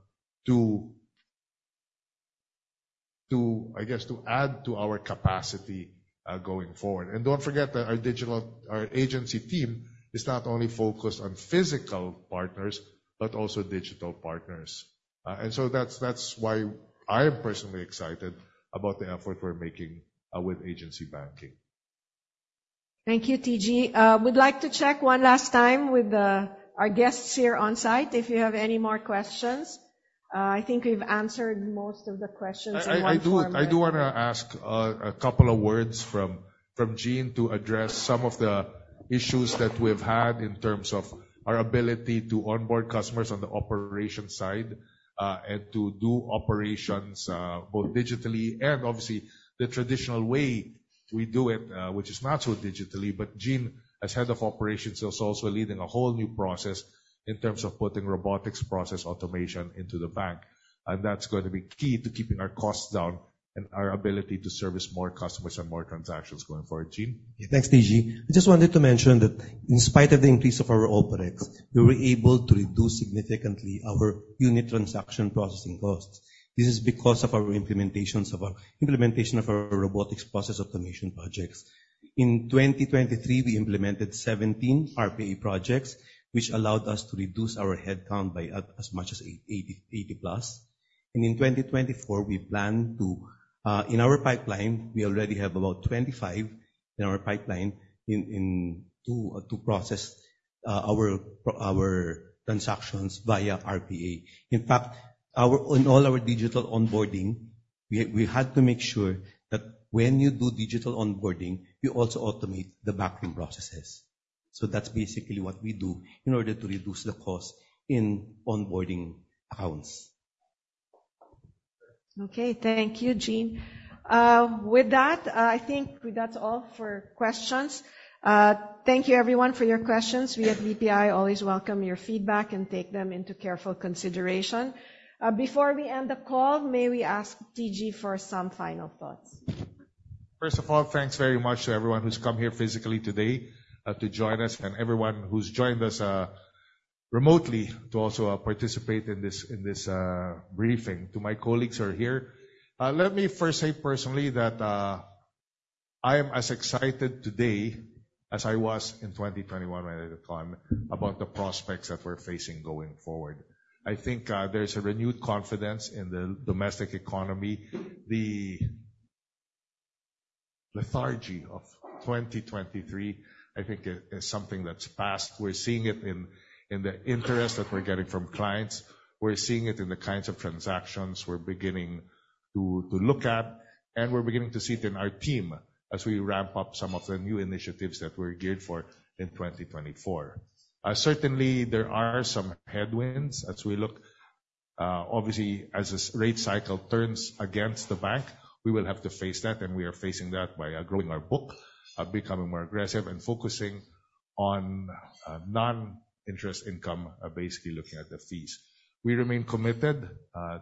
Speaker 2: to, I guess, add to our capacity going forward. Don't forget that our agency team is not only focused on physical partners but also digital partners. That's why I am personally excited about the effort we're making with agency banking.
Speaker 1: Thank you, TG. We'd like to check one last time with our guests here on-site if you have any more questions. I think we've answered most of the questions in one form or-
Speaker 2: I do wanna ask a couple of words from Gene to address some of the issues that we've had in terms of our ability to onboard customers on the operations side, and to do operations, both digitally and obviously the traditional way we do it, which is not so digitally. Gene, as head of operations, is also leading a whole new process in terms of putting robotics process automation into the bank, and that's going to be key to keeping our costs down and our ability to service more customers and more transactions going forward. Gene?
Speaker 13: Thanks, TG. I just wanted to mention that in spite of the increase of our OpEx, we were able to reduce significantly our unit transaction processing costs. This is because of our implementation of our robotics process automation projects. In 2023, we implemented 17 RPA projects, which allowed us to reduce our headcount by as much as 80 plus. In 2024, we plan to in our pipeline we already have about 25 in our pipeline to process our transactions via RPA. In fact, in all our digital onboarding, we had to make sure that when you do digital onboarding, you also automate the backroom processes. That's basically what we do in order to reduce the cost in onboarding accounts.
Speaker 1: Okay. Thank you, Gene. With that, I think that's all for questions. Thank you everyone for your questions. We at BPI always welcome your feedback and take them into careful consideration. Before we end the call, may we ask TG for some final thoughts?
Speaker 2: First of all, thanks very much to everyone who's come here physically today to join us and everyone who's joined us remotely to also participate in this briefing. To my colleagues who are here, let me first say personally that I am as excited today as I was in 2021 when I took on about the prospects that we're facing going forward. I think there's a renewed confidence in the domestic economy. The lethargy of 2023, I think is something that's passed. We're seeing it in the interest that we're getting from clients. We're seeing it in the kinds of transactions we're beginning to look at, and we're beginning to see it in our team as we ramp up some of the new initiatives that we're geared for in 2024. Certainly there are some headwinds as we look, obviously as this rate cycle turns against the bank. We will have to face that, and we are facing that by growing our book, becoming more aggressive and focusing on non-interest income, basically looking at the fees. We remain committed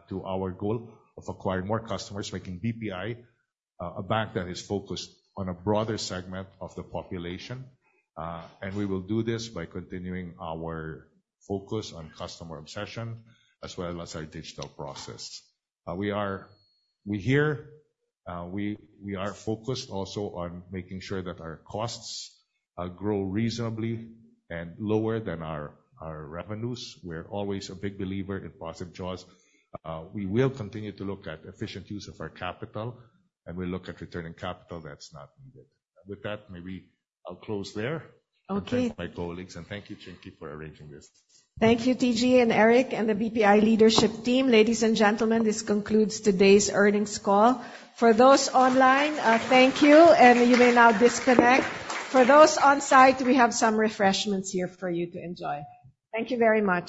Speaker 2: to our goal of acquiring more customers, making BPI a bank that is focused on a broader segment of the population. We will do this by continuing our focus on customer obsession as well as our digital process. We are focused also on making sure that our costs grow reasonably and lower than our revenues. We're always a big believer in positive jaws. We will continue to look at efficient use of our capital, and we look at returning capital that's not needed. With that, maybe I'll close there.
Speaker 1: Okay.
Speaker 2: Thank my colleagues, and thank you, Chinky, for arranging this.
Speaker 1: Thank you, TG and Eric and the BPI leadership team. Ladies and gentlemen, this concludes today's earnings call. For those online, thank you, and you may now disconnect. For those on-site, we have some refreshments here for you to enjoy. Thank you very much.